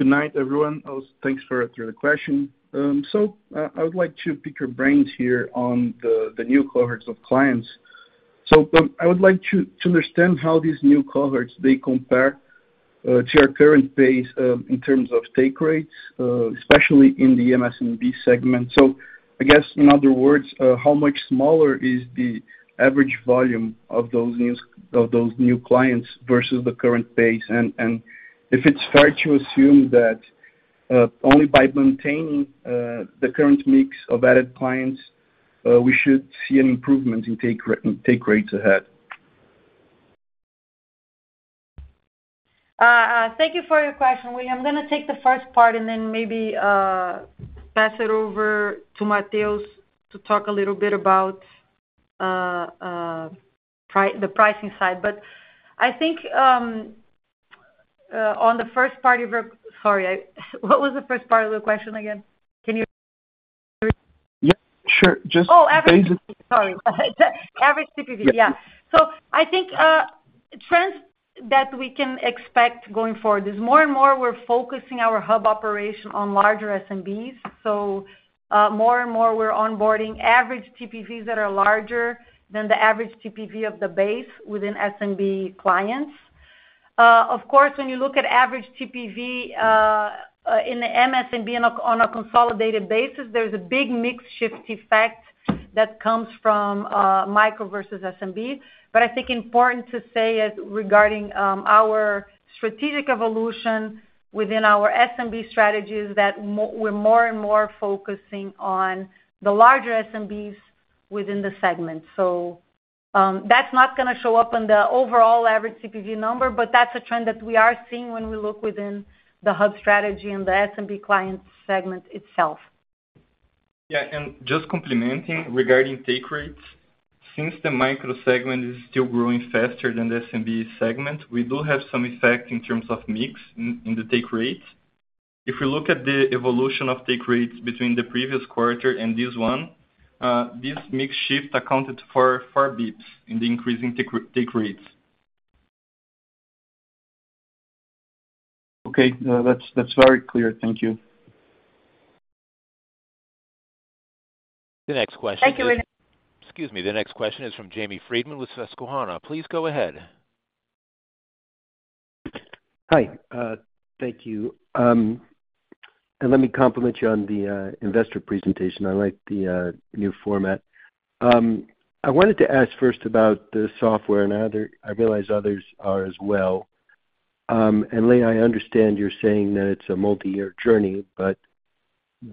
O: Good night, everyone. Thanks for the question. I would like to pick your brains here on the new cohorts of clients. I would like to understand how these new cohorts they compare to your current base, in terms of take rates, especially in the MSMB segment. I guess, in other words, how much smaller is the average volume of those new clients versus the current base? If it's fair to assume that, only by maintaining, the current mix of added clients, we should see an improvement in take rates ahead?
C: Thank you for your question, William. I'm gonna take the first part and then maybe pass it over to Mateus to talk a little bit about the pricing side. I think on the first part of your, sorry, what was the first part of the question again? Can you?
O: Yeah, sure. Just-
C: Oh, average. Sorry. Average TPV.
O: Yeah.
C: Yeah. I think trends that we can expect going forward is more and more we're focusing our hub operation on larger SMBs. More and more we're onboarding average TPVs that are larger than the average TPV of the base within SMB clients. Of course, when you look at average TPV in the MSMB on a consolidated basis, there's a big mix shift effect that comes from micro versus SMB. I think important to say is regarding our strategic evolution within our SMB strategies, that we're more and more focusing on the larger SMBs within the segment. That's not gonna show up on the overall average TPV number, but that's a trend that we are seeing when we look within the hub strategy and the SMB client segment itself.
D: Yeah, just complimenting regarding take rates. Since the Micro segment is still growing faster than the SMB segment, we do have some effect in terms of mix in, in the take rates. If we look at the evolution of take rates between the previous quarter and this one, this mix shift accounted for 4 basis points in the increasing take rates.
O: Okay. That's, that's very clear. Thank you.
A: The next question.
C: Thank you, William.
A: Excuse me. The next question is from Jamie Friedman with Susquehanna. Please go ahead.
P: Hi, thank you. Let me compliment you on the investor presentation. I like the new format. I wanted to ask first about the software, and I other- I realize others are as well. Lia Matos, I understand you're saying that it's a multi-year journey, but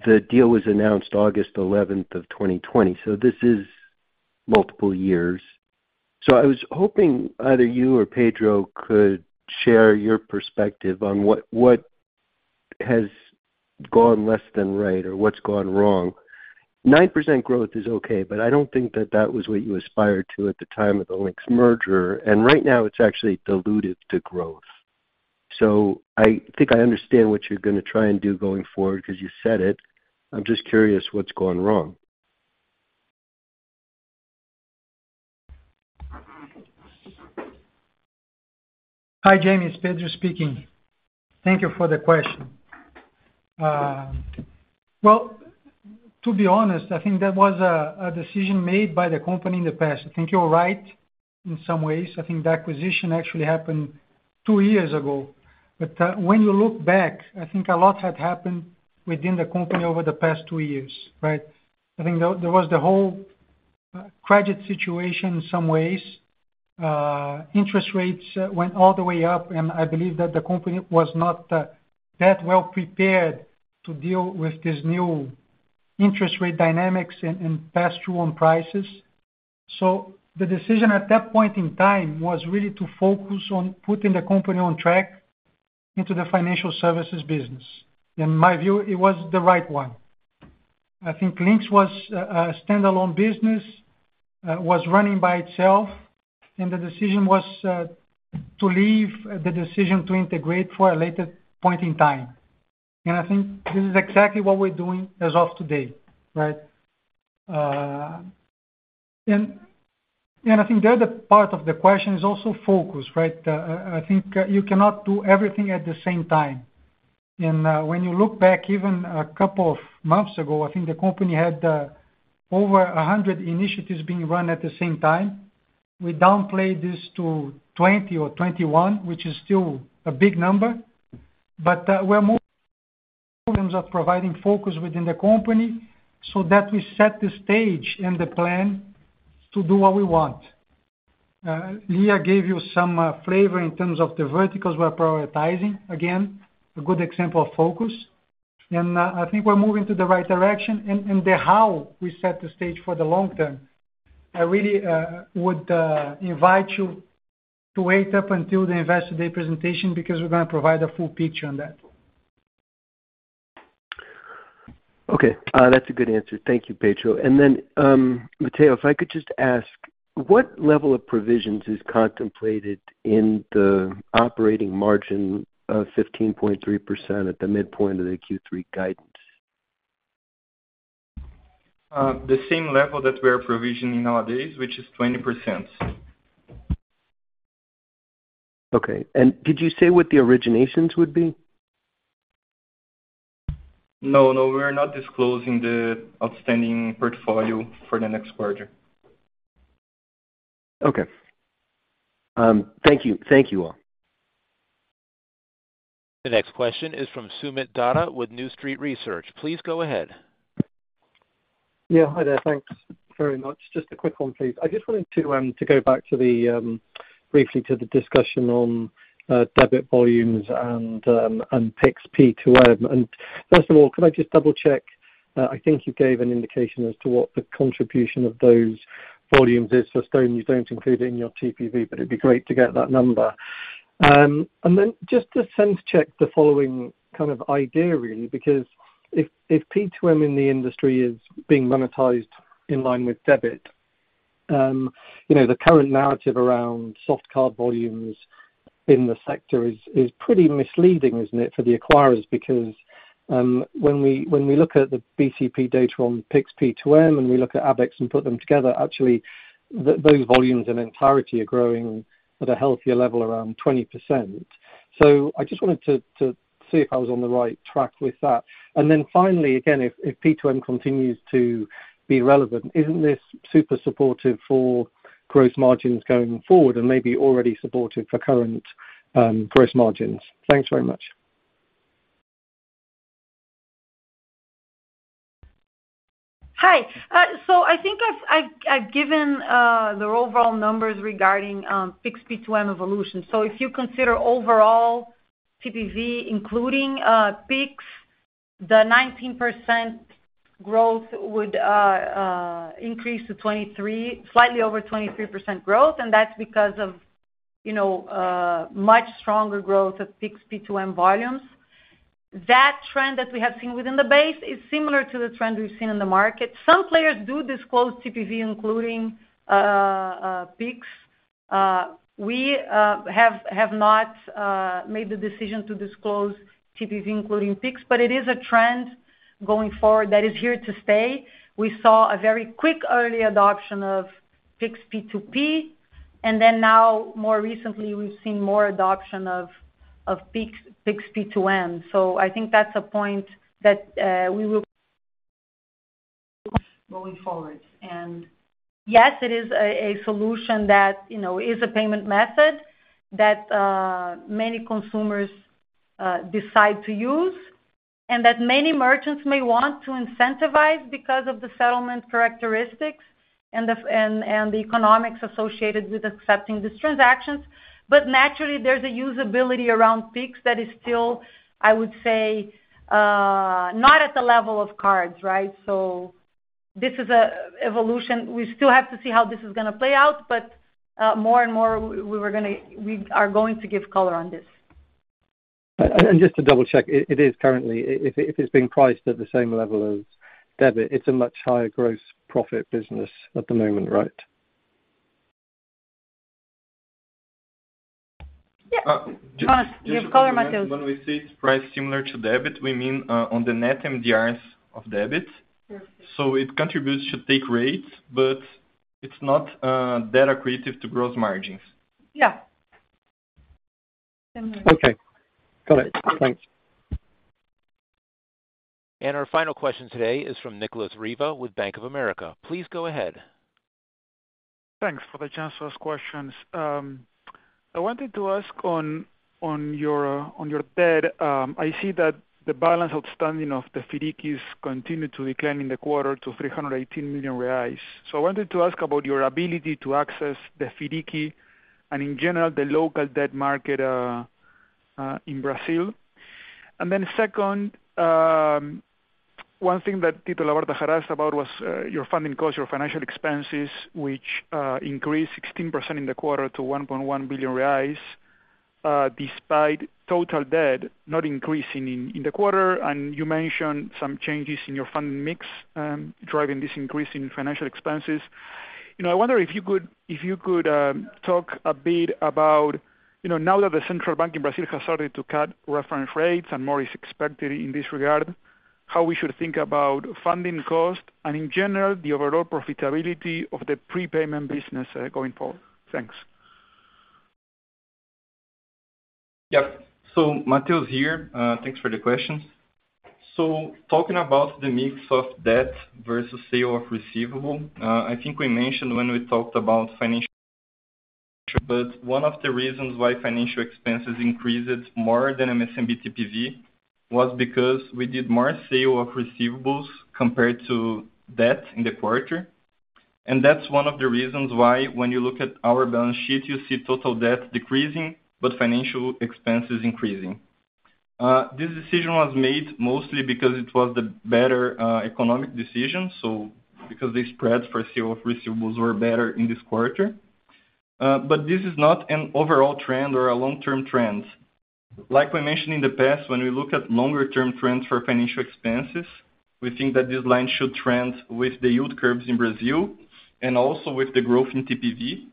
P: the deal was announced August 11th, 2020, so this is multiple years. I was hoping either you or Pedro Zinner could share your perspective on what, what has gone less than right or what's gone wrong. 9% growth is okay, but I don't think that that was what you aspired to at the time of the Linx merger, and right now it's actually diluted the growth. I think I understand what you're going to try and do going forward, 'cause you said it. I'm just curious, what's gone wrong?
B: Hi, Jamie, it's Pedro speaking. Thank you for the question. Well, to be honest, I think that was a, a decision made by the company in the past. I think you're right in some ways. I think the acquisition actually happened two years ago. When you look back, I think a lot had happened within the company over the past two years, right? I think there, there was the whole, credit situation in some ways. Interest rates went all the way up, and I believe that the company was not, that well prepared to deal with this new interest rate dynamics and, and pass through on prices. The decision at that point in time was really to focus on putting the company on track into the Financial Services business. In my view, it was the right one. I think Linx was a, a standalone business, was running by itself, and the decision was to leave the decision to integrate for a later point in time. I think this is exactly what we're doing as of today, right? I think the other part of the question is also focus, right? I think you cannot do everything at the same time. When you look back, even a couple of months ago, I think the company had over 100 initiatives being run at the same time. We downplayed this to 20 or 21, which is still a big number, but we're more of providing focus within the company so that we set the stage and the plan to do what we want. Lia gave you some flavor in terms of the verticals we're prioritizing. Again, a good example of focus. I think we're moving to the right direction and the how we set the stage for the long term. I really would invite you to wait up until the Investor Day presentation, because we're going to provide a full picture on that.
P: Okay, that's a good answer. Thank you, Pedro Zinner. Then, Mateus Scherer, if I could just ask, what level of provisions is contemplated in the operating margin of 15.3% at the midpoint of the Q3 guidance?
D: The same level that we are provisioning nowadays, which is 20%.
P: Okay. Did you say what the originations would be?
D: No, no, we're not disclosing the outstanding portfolio for the next quarter.
P: Okay. Thank you. Thank you, all.
A: The next question is from Soomit Datta with New Street Research. Please go ahead.
Q: Yeah. Hi there. Thanks very much. Just a quick one, please. I just wanted to go back to the briefly to the discussion on debit volumes and PIX P2M. First of all, could I just double-check? I think you gave an indication as to what the contribution of those volumes is. So I assume you don't include it in your TPV, but it'd be great to get that number. Then just to sense check the following kind of idea, really, because if P2M in the industry is being monetized in line with debit, you know, the current narrative around soft card volumes in the sector is, is pretty misleading, isn't it, for the acquirers? Because, when we, when we look at the BCB data on PIX P2M, and we look at ABECS and put them together, actually, those volumes in entirety are growing at a healthier level, around 20%. I just wanted to, to see if I was on the right track with that. Then finally, again, if, if P2M continues to be relevant, isn't this super supportive for gross margins going forward and maybe already supportive for current gross margins? Thanks very much.
C: Hi. I think I've, I've, I've given the overall numbers regarding PIX P2M evolution. If you consider overall TPV, including PIX, the 19% growth would increase to 23%, slightly over 23% growth, and that's because of, you know, much stronger growth of PIX P2M volumes. That trend that we have seen within the base is similar to the trend we've seen in the market. Some players do disclose TPV, including PIX. We have not made the decision to disclose TPV, including PIX, but it is a trend going forward that is here to stay. We saw a very quick early adoption of PIX P2P, and then now more recently, we've seen more adoption of PIX, PIX P2M. I think that's a point that we will going forward. Yes, it is a, a solution that, you know, is a payment method that many consumers decide to use, and that many merchants may want to incentivize because of the settlement characteristics and the economics associated with accepting these transactions. Naturally, there's a usability around PIX that is still, I would say, not at the level of cards, right? This is a evolution. We still have to see how this is gonna play out, but more and more, we are going to give color on this.
Q: Just to double-check, it is currently, if it's being priced at the same level as debit, it's a much higher gross profit business at the moment, right?
C: Yeah. You color, Mateus.
D: When we say it's priced similar to debit, we mean, on the net MDRs of debit.
C: Perfect.
D: It contributes to take rates, but it's not data accretive to gross margins.
C: Yeah.
Q: Okay. Got it. Thanks.
A: Our final question today is from Nicolas Riva with Bank of America. Please go ahead.
R: Thanks for the chance to ask questions. I wanted to ask on, on your, on your debt. I see that the balance outstanding of the FIDCs continued to decline in the quarter to 318 million reais. I wanted to ask about your ability to access the FIDC, and in general, the local debt market in Brazil. Then second, one thing that people asked about was your funding cost, your financial expenses, which increased 16% in the quarter to 1.1 billion reais, despite total debt not increasing in the quarter. You mentioned some changes in your funding mix driving this increase in financial expenses. You know, I wonder if you could, if you could talk a bit about, you know, now that the Central Bank in Brazil has started to cut reference rates and more is expected in this regard, how we should think about funding costs, and in general, the overall profitability of the prepayment business, going forward? Thanks.
D: Yep. Mateus here. Thanks for the questions. Talking about the mix of debt versus sale of receivable, I think we mentioned when we talked about financial, but one of the reasons why financial expenses increased more than MSMB TPV was because we did more sale of receivables compared to debt in the quarter. That's one of the reasons why when you look at our balance sheet, you see total debt decreasing, but financial expenses increasing. This decision was made mostly because it was the better economic decision, so because the spreads for sale of receivables were better in this quarter. This is not an overall trend or a long-term trend. Like we mentioned in the past, when we look at longer term trends for financial expenses, we think that this line should trend with the yield curves in Brazil and also with the growth in TPV.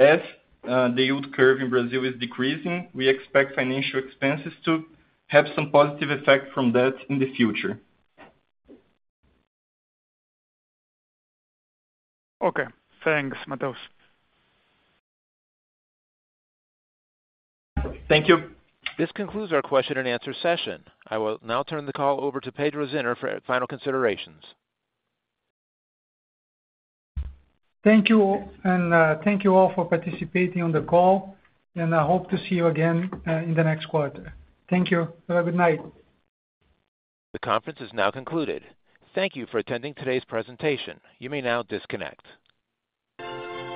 D: As the yield curve in Brazil is decreasing, we expect financial expenses to have some positive effect from that in the future.
R: Okay. Thanks, Mateus. Thank you.
A: This concludes our question and answer session. I will now turn the call over to Pedro Zinner for final considerations.
B: Thank you, and thank you all for participating on the call, and I hope to see you again, in the next quarter. Thank you. Have a good night.
A: The conference is now concluded. Thank you for attending today's presentation. You may now disconnect.